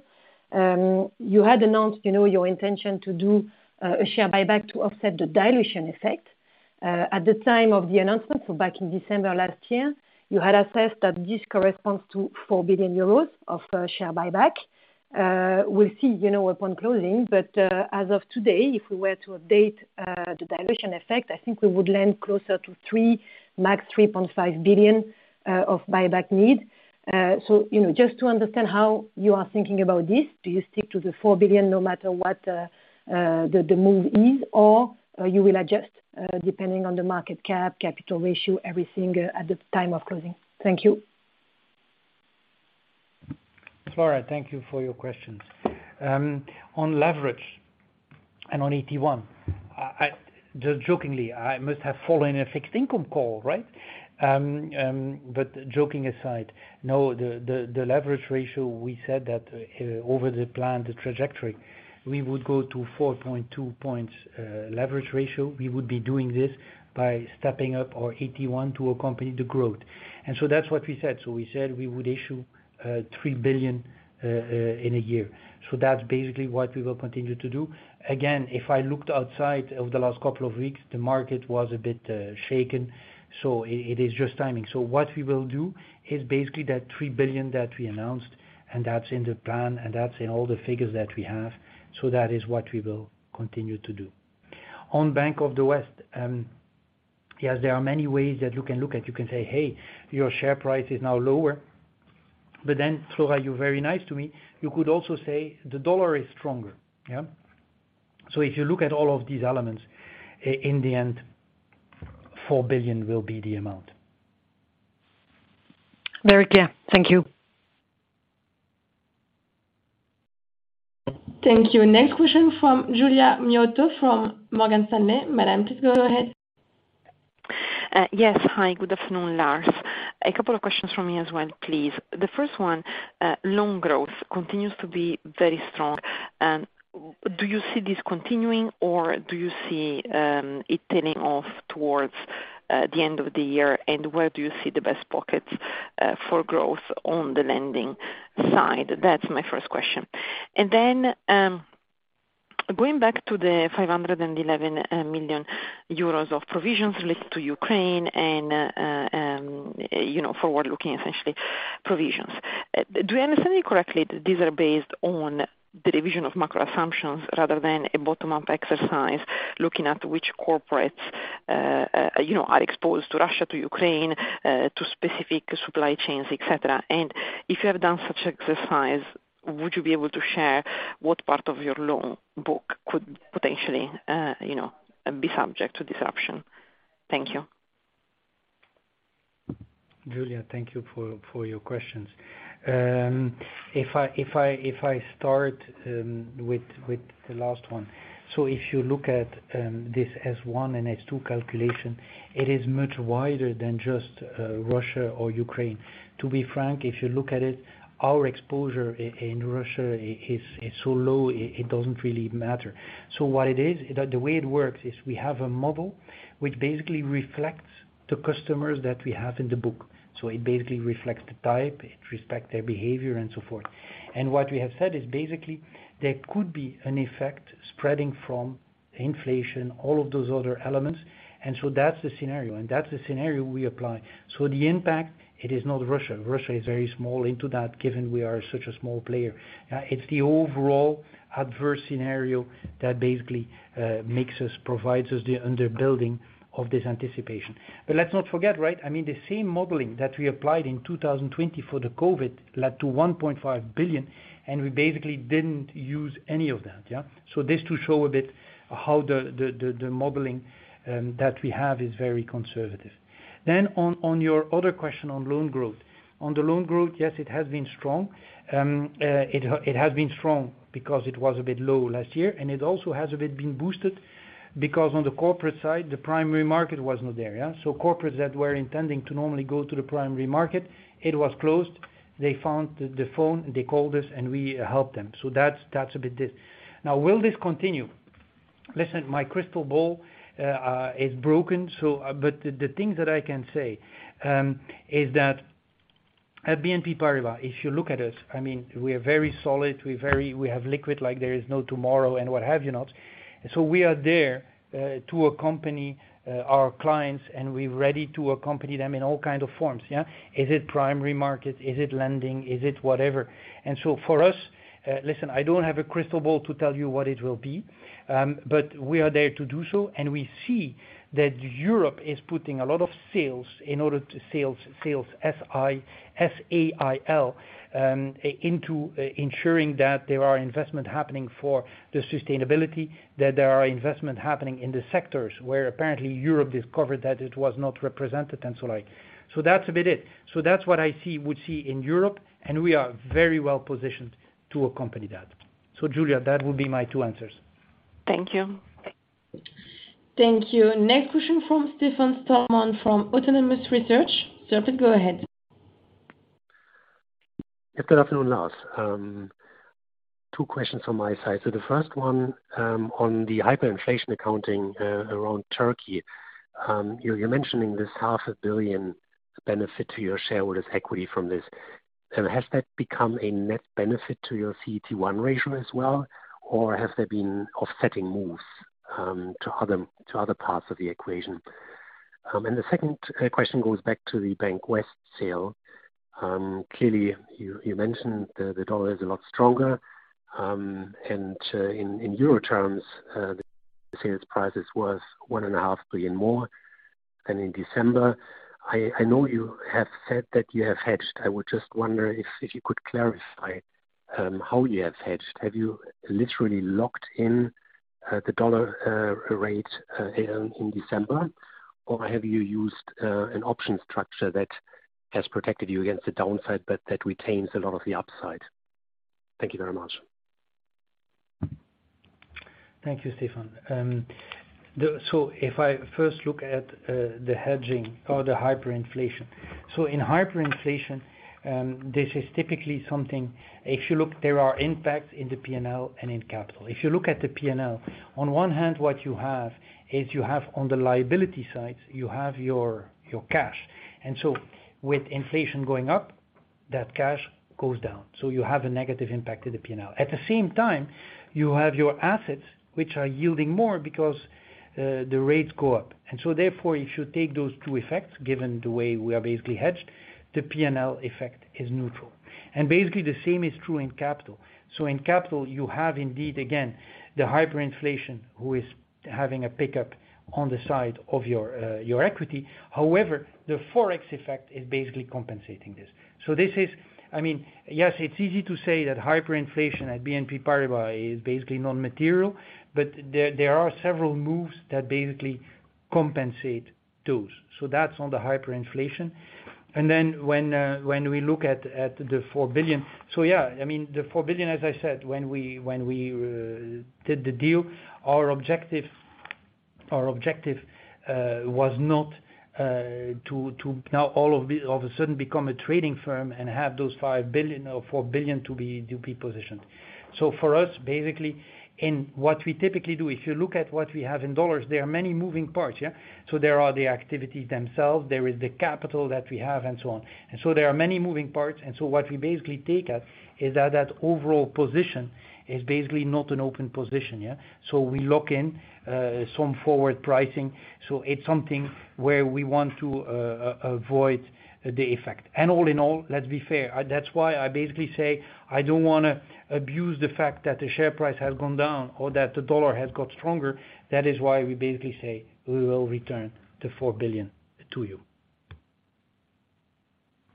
You had announced, you know, your intention to do a share buyback to offset the dilution effect at the time of the announcement, so back in December last year, you had assessed that this corresponds to 4 billion euros of share buyback. We'll see, you know, upon closing, but as of today, if we were to update the dilution effect, I think we would land closer to 3 billion, max 3.5 billion of buyback need. So, you know, just to understand how you are thinking about this, do you stick to the 4 billion no matter what the move is, or you will adjust depending on the market cap, capital ratio, everything at the time of closing? Thank you. Flora, thank you for your questions. On leverage and on AT1, just jokingly, I must have fallen a fixed income call, right? But joking aside, no, the leverage ratio we said that over the plan, the trajectory, we would go to 4.2 points leverage ratio. We would be doing this by stepping up our AT1 to accompany the growth. That's what we said. We said we would issue 3 billion in a year. That's basically what we will continue to do. Again, if I looked outside over the last couple of weeks, the market was a bit shaken, so it is just timing. What we will do is basically that 3 billion that we announced, and that's in the plan, and that's in all the figures that we have. That is what we will continue to do. On Bank of the West, yes, there are many ways that you can look at. You can say, "Hey, your share price is now lower." Flora, you're very nice to me, you could also say the dollar is stronger. Yeah? If you look at all of these elements, in the end, 4 billion will be the amount. Very clear. Thank you. Thank you. Next question from Giulia Miotto from Morgan Stanley. Madame, please go ahead. Yes. Hi, good afternoon, Lars. A couple of questions from me as well, please. The first one, loan growth continues to be very strong. Do you see this continuing, or do you see it tailing off towards the end of the year? And where do you see the best pockets for growth on the lending side? That's my first question. And then, going back to the 511 million euros of provisions related to Ukraine and, you know, forward-looking essentially provisions. Do I understand you correctly that these are based on the division's macro assumptions rather than a bottom-up exercise, looking at which corporates, you know, are exposed to Russia, to Ukraine, to specific supply chains, et cetera? If you have done such exercise, would you be able to share what part of your loan book could potentially, you know, be subject to disruption? Thank you. Giulia, thank you for your questions. If I start with the last one. If you look at this S1 and S2 calculation, it is much wider than just Russia or Ukraine. To be frank, if you look at it, our exposure in Russia is so low, it doesn't really matter. What it is, the way it works is we have a model which basically reflects the customers that we have in the book. It basically reflects the type, it respects their behavior and so forth. What we have said is basically there could be an effect spreading from inflation, all of those other elements. That's the scenario, and that's the scenario we apply. The impact, it is not Russia. Russia is very small into that, given we are such a small player. It's the overall adverse scenario that basically provides us the underpinning of this anticipation. Let's not forget, right, I mean, the same modeling that we applied in 2020 for the COVID led to 1.5 billion, and we basically didn't use any of that, yeah? This to show a bit how the modeling that we have is very conservative. On your other question on loan growth. On the loan growth, yes, it has been strong. It has been strong because it was a bit low last year, and it also has a bit been boosted because on the corporate side, the primary market was not there, yeah? Corporates that were intending to normally go to the primary market, it was closed. They found the phone, they called us, and we helped them. That's a bit this. Now, will this continue? Listen, my crystal ball is broken, but the things that I can say is that at BNP Paribas, if you look at us, I mean, we are very solid, we have liquid like there is no tomorrow and what have you not. We are there to accompany our clients, and we're ready to accompany them in all kind of forms, yeah. Is it primary market? Is it lending? Is it whatever? For us, listen, I don't have a crystal ball to tell you what it will be, but we are there to do so. We see that Europe is putting a lot of sails into ensuring that there are investment happening for the sustainability, that there are investment happening in the sectors where apparently Europe discovered that it was not represented and so on. That's a bit it. That's what I see we see in Europe, and we are very well positioned to accompany that. Giulia, that would be my two answers. Thank you. Thank you. Next question from Stefan Stalmann from Autonomous Research. Sir, please go ahead. Good afternoon, Lars. Two questions from my side. The first one, on the hyperinflation accounting around Turkey. You're mentioning this 500,000 benefit to your shareholders' equity from this. Has that become a net benefit to your CET1 ratio as well, or has there been offsetting moves to other parts of the equation? The second question goes back to the Bank of the West sale. Clearly, you mentioned the dollar is a lot stronger. In euro terms, the sales price is worth 1.5 billion more than in December. I know you have said that you have hedged. I would just wonder if you could clarify how you have hedged. Have you literally locked in the dollar rate in December, or have you used an option structure that has protected you against the downside but that retains a lot of the upside? Thank you very much. Thank you, Stefan. If I first look at the hedging or the hyperinflation. In hyperinflation, this is typically something if you look, there are impacts in the P&L and in capital. If you look at the P&L, on one hand, what you have is you have on the liability side, you have your cash. With inflation going up, that cash goes down. You have a negative impact to the P&L. At the same time, you have your assets, which are yielding more because the rates go up. Therefore, if you take those two effects, given the way we are basically hedged, the P&L effect is neutral. Basically, the same is true in capital. In capital, you have indeed again the hyperinflation, who is having a pickup on the side of your equity. However, the Forex effect is basically compensating this. This is. I mean, yes, it's easy to say that hyperinflation at BNP Paribas is basically non-material, but there are several moves that basically compensate those. That's on the hyperinflation. When we look at the 4 billion. Yeah, I mean, the 4 billion, as I said, when we did the deal, our objective was not to now all of a sudden become a trading firm and have those 5 billion or 4 billion to be duly positioned. For us, basically, in what we typically do, if you look at what we have in dollars, there are many moving parts, yeah? There are the activities themselves, there is the capital that we have and so on. There are many moving parts, and so what we basically take as is that overall position is basically not an open position, yeah? We lock in some forward pricing, so it's something where we want to avoid the effect. All in all, let's be fair. That's why I basically say, I don't wanna abuse the fact that the share price has gone down or that the dollar has got stronger. That is why we basically say we will return the 4 billion to you.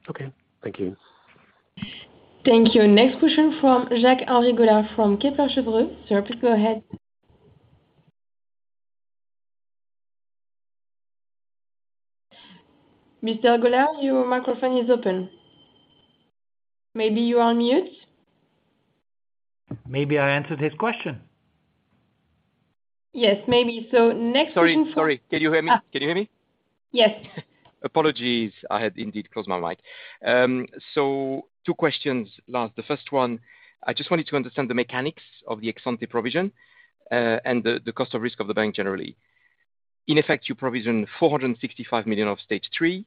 Okay. Thank you. Thank you. Next question from Jacques-Henri Gaulard from Kepler Cheuvreux. Sir, please go ahead. Mr. Gaulard, your microphone is open. Maybe you are on mute. Maybe I answered his question. Yes, maybe. Sorry, sorry. Can you hear me? Can you hear me? Yes. Apologies. I had indeed closed my mic. Two questions, Lars. The first one, I just wanted to understand the mechanics of the ex-ante provision and the cost of risk of the bank generally. In effect, you provision 465 million of Stage 3,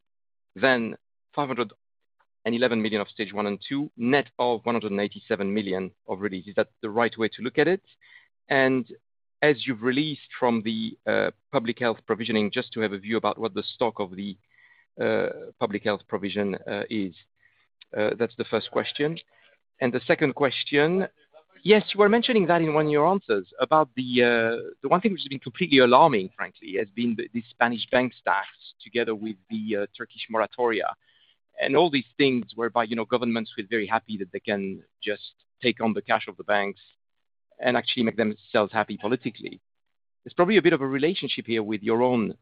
then 511 million of Stage 1 and 2, net of 187 million of release. Is that the right way to look at it? As you've released from the public health provisioning, just to have a view about what the stock of the public health provision is. That's the first question. The second question, yes, you were mentioning that in one of your answers about the one thing which has been completely alarming, frankly, has been the Spanish bank stats together with the Turkish moratoria. All these things whereby, you know, governments who are very happy that they can just take on the cash of the banks and actually make themselves happy politically. There's probably a bit of a relationship here with your own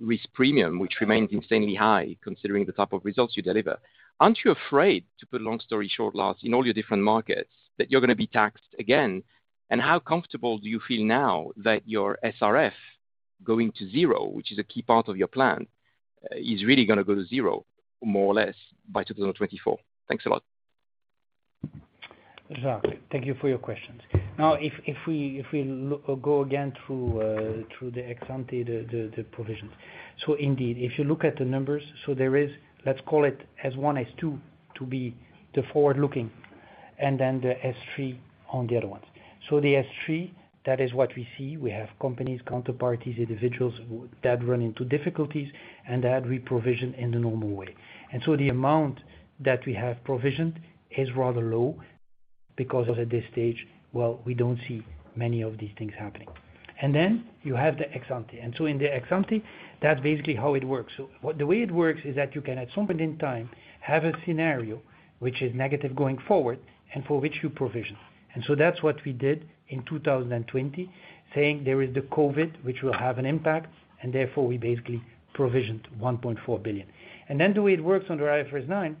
risk premium, which remains insanely high considering the type of results you deliver. Aren't you afraid, to put a long story short, Lars, in all your different markets, that you're gonna be taxed again? How comfortable do you feel now that your SRF going to zero, which is a key part of your plan, is really gonna go to zero more or less by 2024. Thanks a lot. Jacques, thank you for your questions. Now, if we look or go again through the ex-ante provisions. Indeed, if you look at the numbers, there is, let's call it S1, S2 to be the forward-looking, and then the S3 on the other ones. The S3, that is what we see. We have companies, counterparties, individuals that run into difficulties, and that we provision in the normal way. The amount that we have provisioned is rather low because at this stage, we don't see many of these things happening. Then you have the ex-ante. In the ex-ante, that's basically how it works. The way it works is that you can at some point in time have a scenario which is negative going forward and for which you provision. That's what we did in 2020, saying there is the COVID, which will have an impact, and therefore we basically provisioned 1.4 billion. The way it works under IFRS 9,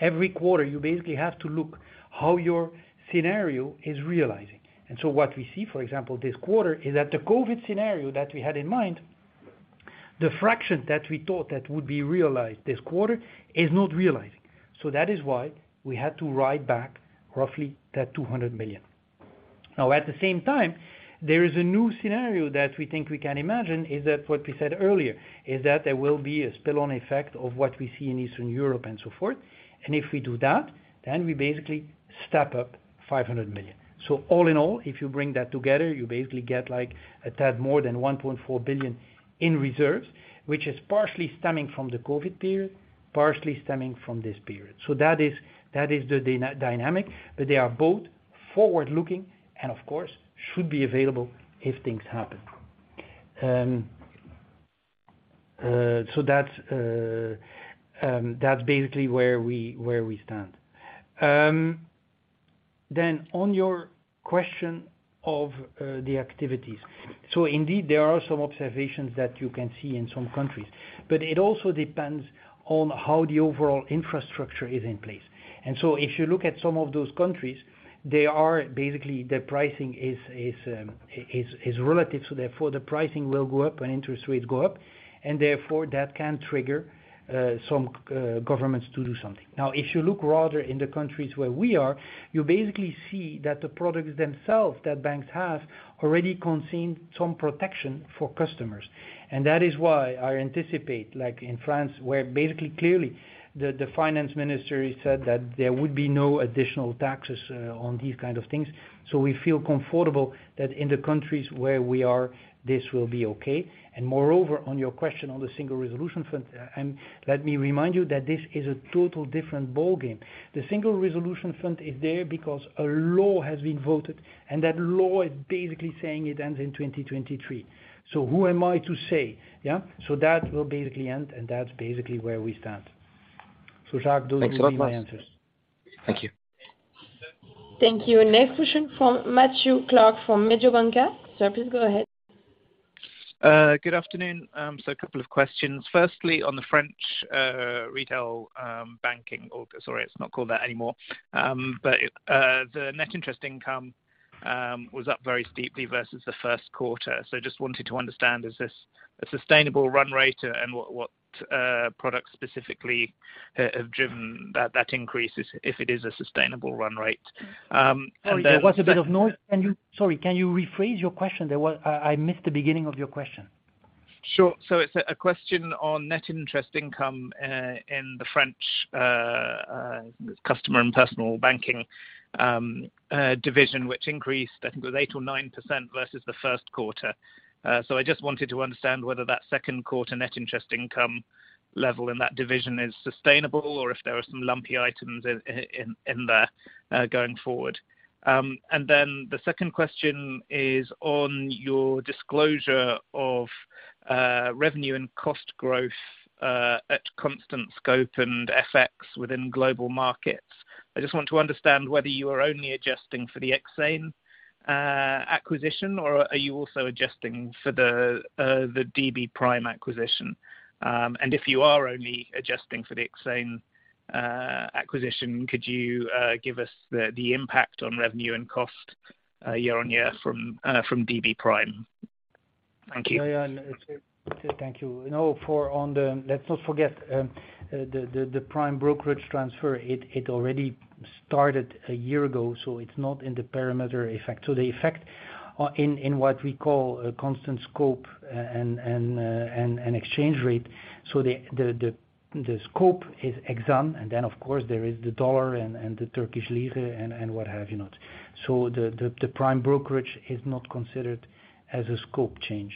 every quarter, you basically have to look how your scenario is realizing. What we see, for example, this quarter is that the COVID scenario that we had in mind, the fraction that we thought that would be realized this quarter is not realizing. That is why we had to write back roughly that 200 million. Now, at the same time, there is a new scenario that we think we can imagine is that what we said earlier is that there will be a spillover effect of what we see in Eastern Europe and so forth. If we do that, then we basically step up 500 million. All in all, if you bring that together, you basically get like a tad more than 1.4 billion in reserves, which is partially stemming from the COVID period, partially stemming from this period. That is the dynamic, but they are both forward-looking and of course should be available if things happen. That's basically where we stand. On your question of the activities. Indeed, there are some observations that you can see in some countries, but it also depends on how the overall infrastructure is in place. If you look at some of those countries, they are basically the pricing is relative, so therefore the pricing will go up and interest rates go up, and therefore that can trigger some governments to do something. Now, if you look rather in the countries where we are, you basically see that the products themselves that banks have already contain some protection for customers. That is why I anticipate, like in France, where basically clearly the finance minister has said that there would be no additional taxes on these kind of things. We feel comfortable that in the countries where we are, this will be okay. Moreover, on your question on the Single Resolution Fund, let me remind you that this is a total different ballgame. The Single Resolution Fund is there because a law has been voted, and that law is basically saying it ends in 2023. Who am I to say? Yeah. That will basically end, and that's basically where we stand. Jacques, those will be my answers. Thanks a lot. Thank you. Thank you. Next question from Matthew Clark from Mediobanca. Sir, please go ahead. Good afternoon. A couple of questions. Firstly, on the French retail banking, oh sorry, it's not called that anymore. The net interest income was up very steeply versus the first quarter. Just wanted to understand, is this a sustainable run rate and what products specifically have driven that increase, if it is a sustainable run rate? Sorry, there was a bit of noise. Sorry, can you rephrase your question? I missed the beginning of your question. Sure. It's a question on net interest income in the French customer and personal banking division, which increased, I think it was 8% or 9% versus the first quarter. I just wanted to understand whether that second quarter net interest income level in that division is sustainable, or if there are some lumpy items in there going forward. The second question is on your disclosure of revenue and cost growth at constant scope and FX within Global Markets. I just want to understand whether you are only adjusting for the Exane acquisition, or are you also adjusting for the DB Prime acquisition? If you are only adjusting for the Exane acquisition, could you give us the impact on revenue and cost year on year from DB Prime? Thank you. Yeah, yeah. Thank you. You know, let's not forget the Prime Brokerage transfer. It already started a year ago, so it's not in the perimeter effect. So the effect in what we call a constant scope and exchange rate. So the scope is Exane, and then of course there is the dollar and the Turkish lira and what have you not. So the Prime Brokerage is not considered as a scope change.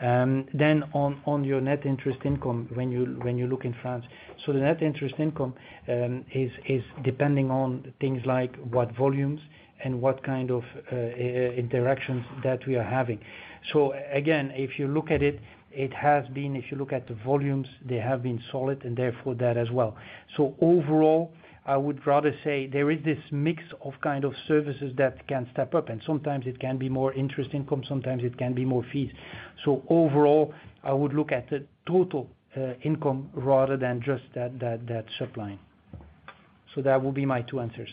Then on your net interest income when you look in France. So the net interest income is depending on things like what volumes and what kind of transactions that we are having. Again, if you look at it has been, if you look at the volumes, they have been solid and therefore that as well. Overall, I would rather say there is this mix of kind of services that can step up, and sometimes it can be more interest income, sometimes it can be more fees. Overall, I would look at the total income rather than just that sub-line. That will be my two answers.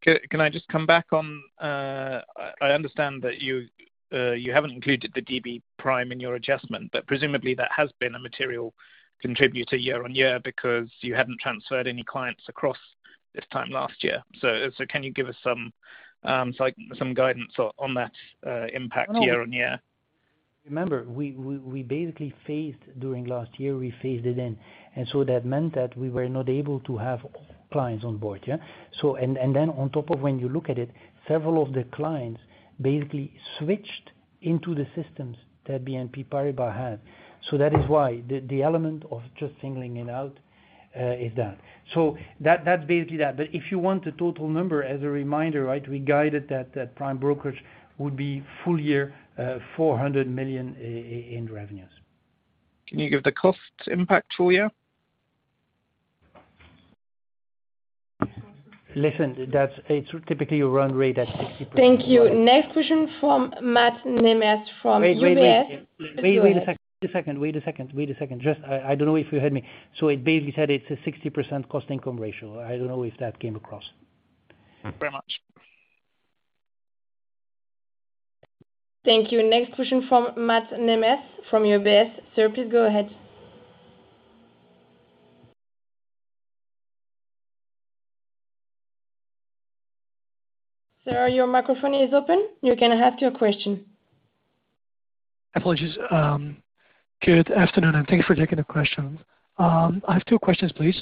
Can I just come back on. I understand that you haven't included the DB Prime in your adjustment, but presumably that has been a material contributor year-over-year because you hadn't transferred any clients across this time last year. Can you give us some guidance on that impact year-over-year? Remember, we basically phased it in during last year, and that meant that we were not able to have clients on board, yeah? And then on top of that, when you look at it, several of the clients basically switched into the systems that BNP Paribas had. That is why the element of just singling it out is that. That's basically that. If you want the total number as a reminder, we guided that prime brokerage would be full year 400 million in revenues. Can you give the cost impact for you? Listen, that's. It's typically a run rate at 60%. Thank you. Next question from Mate Nemes, from UBS. Wait a second. I don't know if you heard me. I basically said it's a 60% cost-income ratio. I don't know if that came across. Thank you very much. Thank you. Next question from Mate Nemes, from UBS. Sir, please go ahead. Sir, your microphone is open, you can ask your question. Apologies. Good afternoon and thank you for taking the questions. I have two questions, please.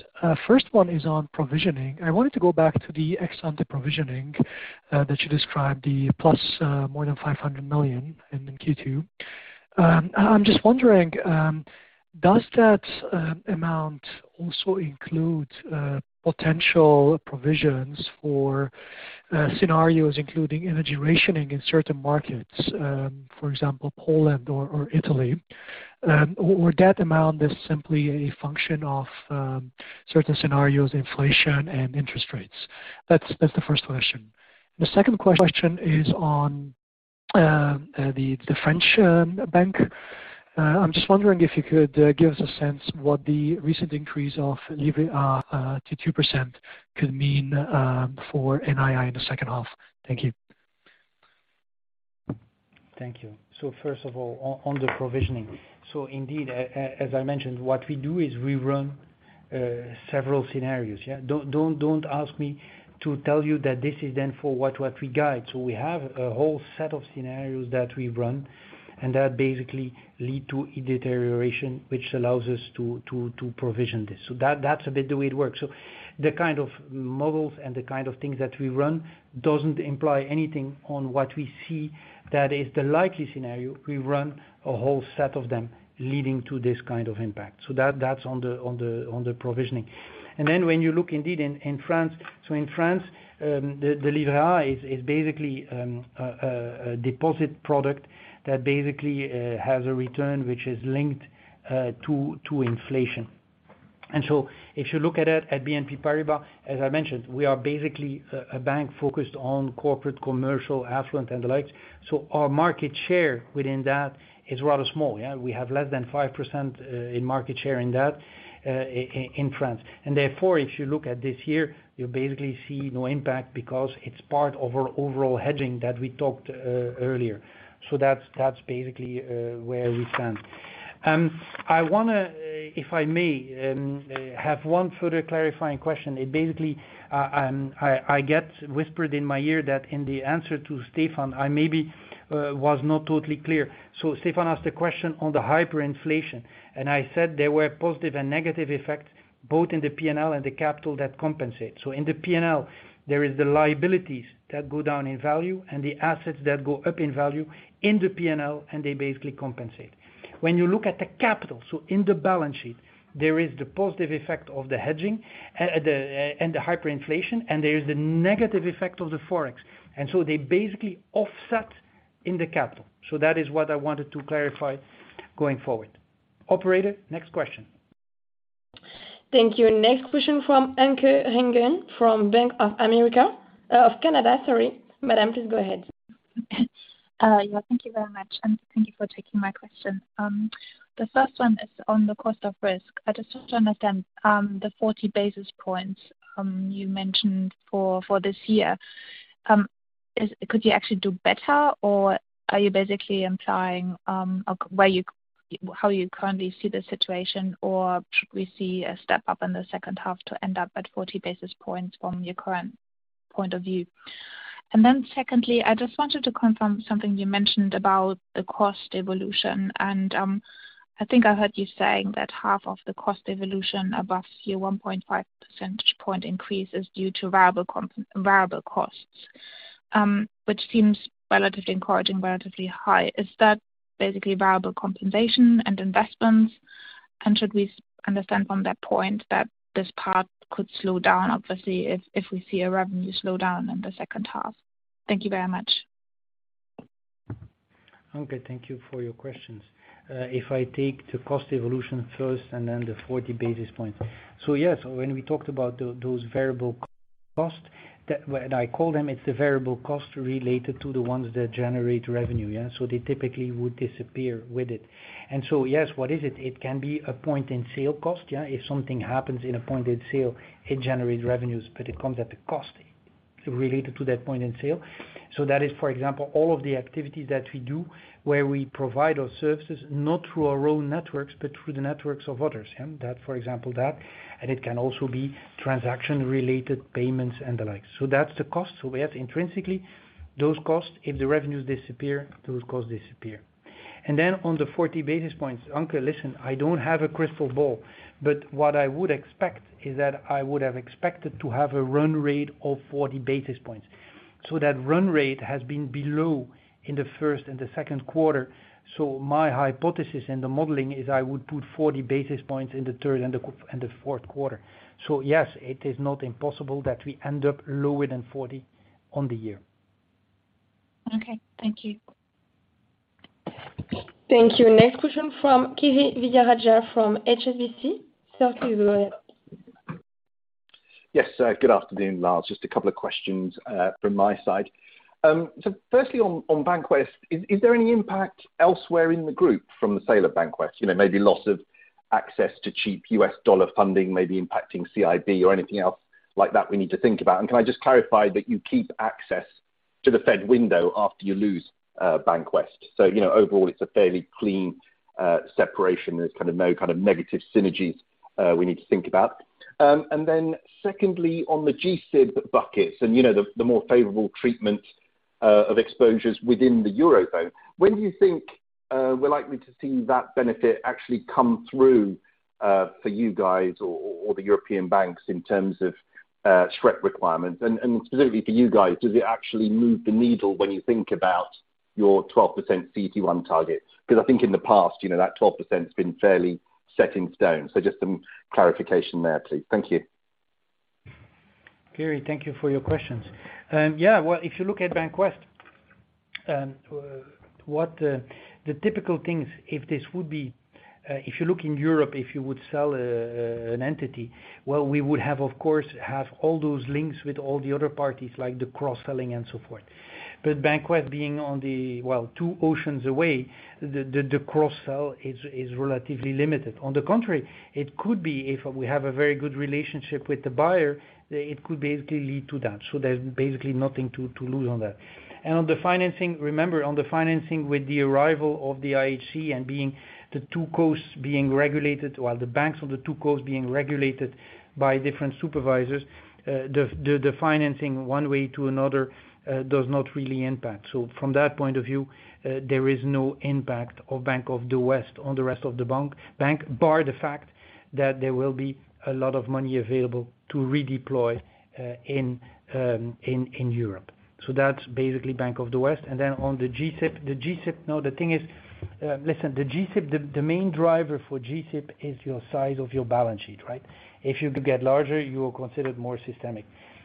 First one is on provisioning. I wanted to go back to the ex-ante provisioning that you described the plus more than 500 million in Q2. I'm just wondering, does that amount also include potential provisions for scenarios including energy rationing in certain markets, for example, Poland or Italy? Or that amount is simply a function of certain scenarios, inflation and interest rates. That's the first question. The second question is on the French bank. I'm just wondering if you could give us a sense what the recent increase of Livret A to 2% could mean for NII in the second half. Thank you. Thank you. First of all, on the provisioning. Indeed, as I mentioned, what we do is we run several scenarios, yeah. Don't ask me to tell you that this is then for what we guide. We have a whole set of scenarios that we run, and that basically lead to a deterioration, which allows us to provision this. That's a bit the way it works. The kind of models and the kind of things that we run doesn't imply anything on what we see that is the likely scenario. We run a whole set of them leading to this kind of impact. That's on the provisioning. When you look indeed in France, the Livret A is basically a deposit product that basically has a return which is linked to inflation. If you look at BNP Paribas, as I mentioned, we are basically a bank focused on corporate, commercial, affluent and the like. Our market share within that is rather small, yeah. We have less than 5% in market share in that in France. Therefore, if you look at this year, you basically see no impact because it's part of our overall hedging that we talked earlier. That's basically where we stand. I wanna, if I may, have one further clarifying question. It basically, I get whispered in my ear that in the answer to Stefan, I maybe was not totally clear. Stefan asked a question on the hyperinflation, and I said there were positive and negative effects both in the P&L and the capital that compensate. In the P&L, there is the liabilities that go down in value and the assets that go up in value in the P&L, and they basically compensate. When you look at the capital, in the balance sheet, there is the positive effect of the hedging, and the hyperinflation, and there is the negative effect of the Forex. They basically offset in the capital. That is what I wanted to clarify going forward. Operator, next question. Thank you. Next question from Anke Reingen from Bank of America, of Canada, sorry. Madame, please go ahead. Yeah, thank you very much, and thank you for taking my question. The first one is on the cost of risk. I just want to understand, the 40 basis points, you mentioned for this year. Could you actually do better, or are you basically implying, how you currently see the situation, or should we see a step up in the second half to end up at 40 basis points from your current point of view? Then secondly, I just wanted to confirm something you mentioned about the cost evolution, and, I think I heard you saying that half of the cost evolution above your 1.5 percentage point increase is due to variable costs, which seems relatively encouraging, relatively high. Is that basically variable compensation and investments? Should we understand from that point that this part could slow down, obviously, if we see a revenue slowdown in the second half? Thank you very much. Anke, thank you for your questions. If I take the cost evolution first and then the 40 basis points. Yes, when we talked about those variable costs, I call them, it's the variable cost related to the ones that generate revenue, yeah. They typically would disappear with it. Yes, what is it? It can be a point of sale cost, yeah. If something happens in a point of sale, it generates revenues, but it comes at a cost related to that point of sale. That is, for example, all of the activities that we do where we provide our services, not through our own networks, but through the networks of others, yeah. That, for example, and it can also be transaction-related payments and the like. That's the cost. We have intrinsically those costs, if the revenues disappear, those costs disappear. On the 40 basis points, Anke, listen, I don't have a crystal ball, but what I would expect is that I would have expected to have a run rate of 40 basis points. That run rate has been below in the first and the second quarter. My hypothesis in the modeling is I would put 40 basis points in the third and the fourth quarter. Yes, it is not impossible that we end up lower than 40 basis points on the year. Okay. Thank you. Thank you. Next question from Kiri Vijayarajah from HSBC. Sir, please go ahead. Yes. Good afternoon, Lars. Just a couple of questions from my side. Firstly on Bank of the West, is there any impact elsewhere in the group from the sale of Bank of the West? You know, maybe loss of access to cheap U.S. dollar funding, maybe impacting CIB or anything else like that we need to think about. Can I just clarify that you keep access to the Fed window after you lose Bank of the West? You know, overall it's a fairly clean separation. There's kind of no negative synergies we need to think about. Secondly, on the G-SIB buckets and, you know, the more favorable treatment of exposures within the Eurozone, when do you think we're likely to see that benefit actually come through for you guys or the European banks in terms of SREP requirements? Specifically for you guys, does it actually move the needle when you think about your 12% CET1 target? 'Cause I think in the past, you know, that 12%'s been fairly set in stone. Just some clarification there, please. Thank you. Kiri, thank you for your questions. Well, if you look at Bank of the West, if you look in Europe, if you would sell an entity, well, we would have, of course, all those links with all the other parties, like the cross-selling and so forth. Bank of the West being on the, well, two oceans away, the cross-sell is relatively limited. On the contrary, it could be if we have a very good relationship with the buyer, it could basically lead to that. There's basically nothing to lose on that. On the financing, remember on the financing with the arrival of the IHC and the two coasts being regulated, while the banks of the two coasts being regulated by different supervisors, the financing one way or another does not really impact. From that point of view, there is no impact of Bank of the West on the rest of the bank bar the fact that there will be a lot of money available to redeploy in Europe. That's basically Bank of the West. On the G-SIB. The main driver for G-SIB is the size of your balance sheet, right? If you get larger, you are considered more systemic.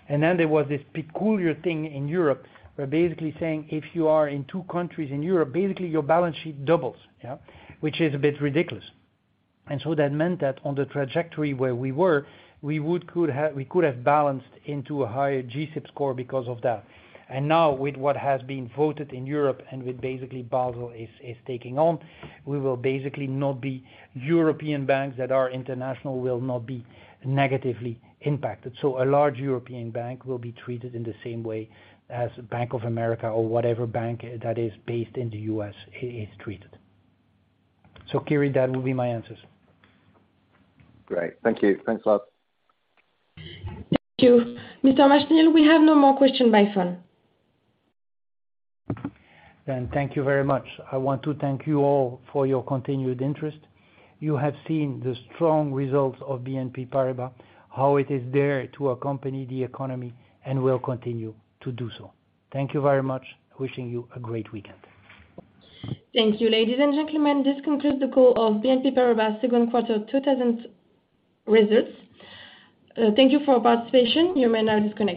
There was this peculiar thing in Europe where basically saying if you are in two countries in Europe, basically your balance sheet doubles, yeah, which is a bit ridiculous. That meant that on the trajectory where we were, we could have ballooned into a higher G-SIB score because of that. Now with what has been voted in Europe and with basically Basel is taking on, we will basically not be. European banks that are international will not be negatively impacted. A large European bank will be treated in the same way as Bank of America or whatever bank that is based in the U.S. is treated. Kiri, that will be my answers. Great. Thank you. Thanks, Lars. Thank you. Mr. Machenil, we have no more question by phone. Thank you very much. I want to thank you all for your continued interest. You have seen the strong results of BNP Paribas, how it is there to accompany the economy and will continue to do so. Thank you very much. Wishing you a great weekend. Thank you. Ladies and gentlemen, this concludes the call of BNP Paribas second quarter 2022 results. Thank you for participation. You may now disconnect.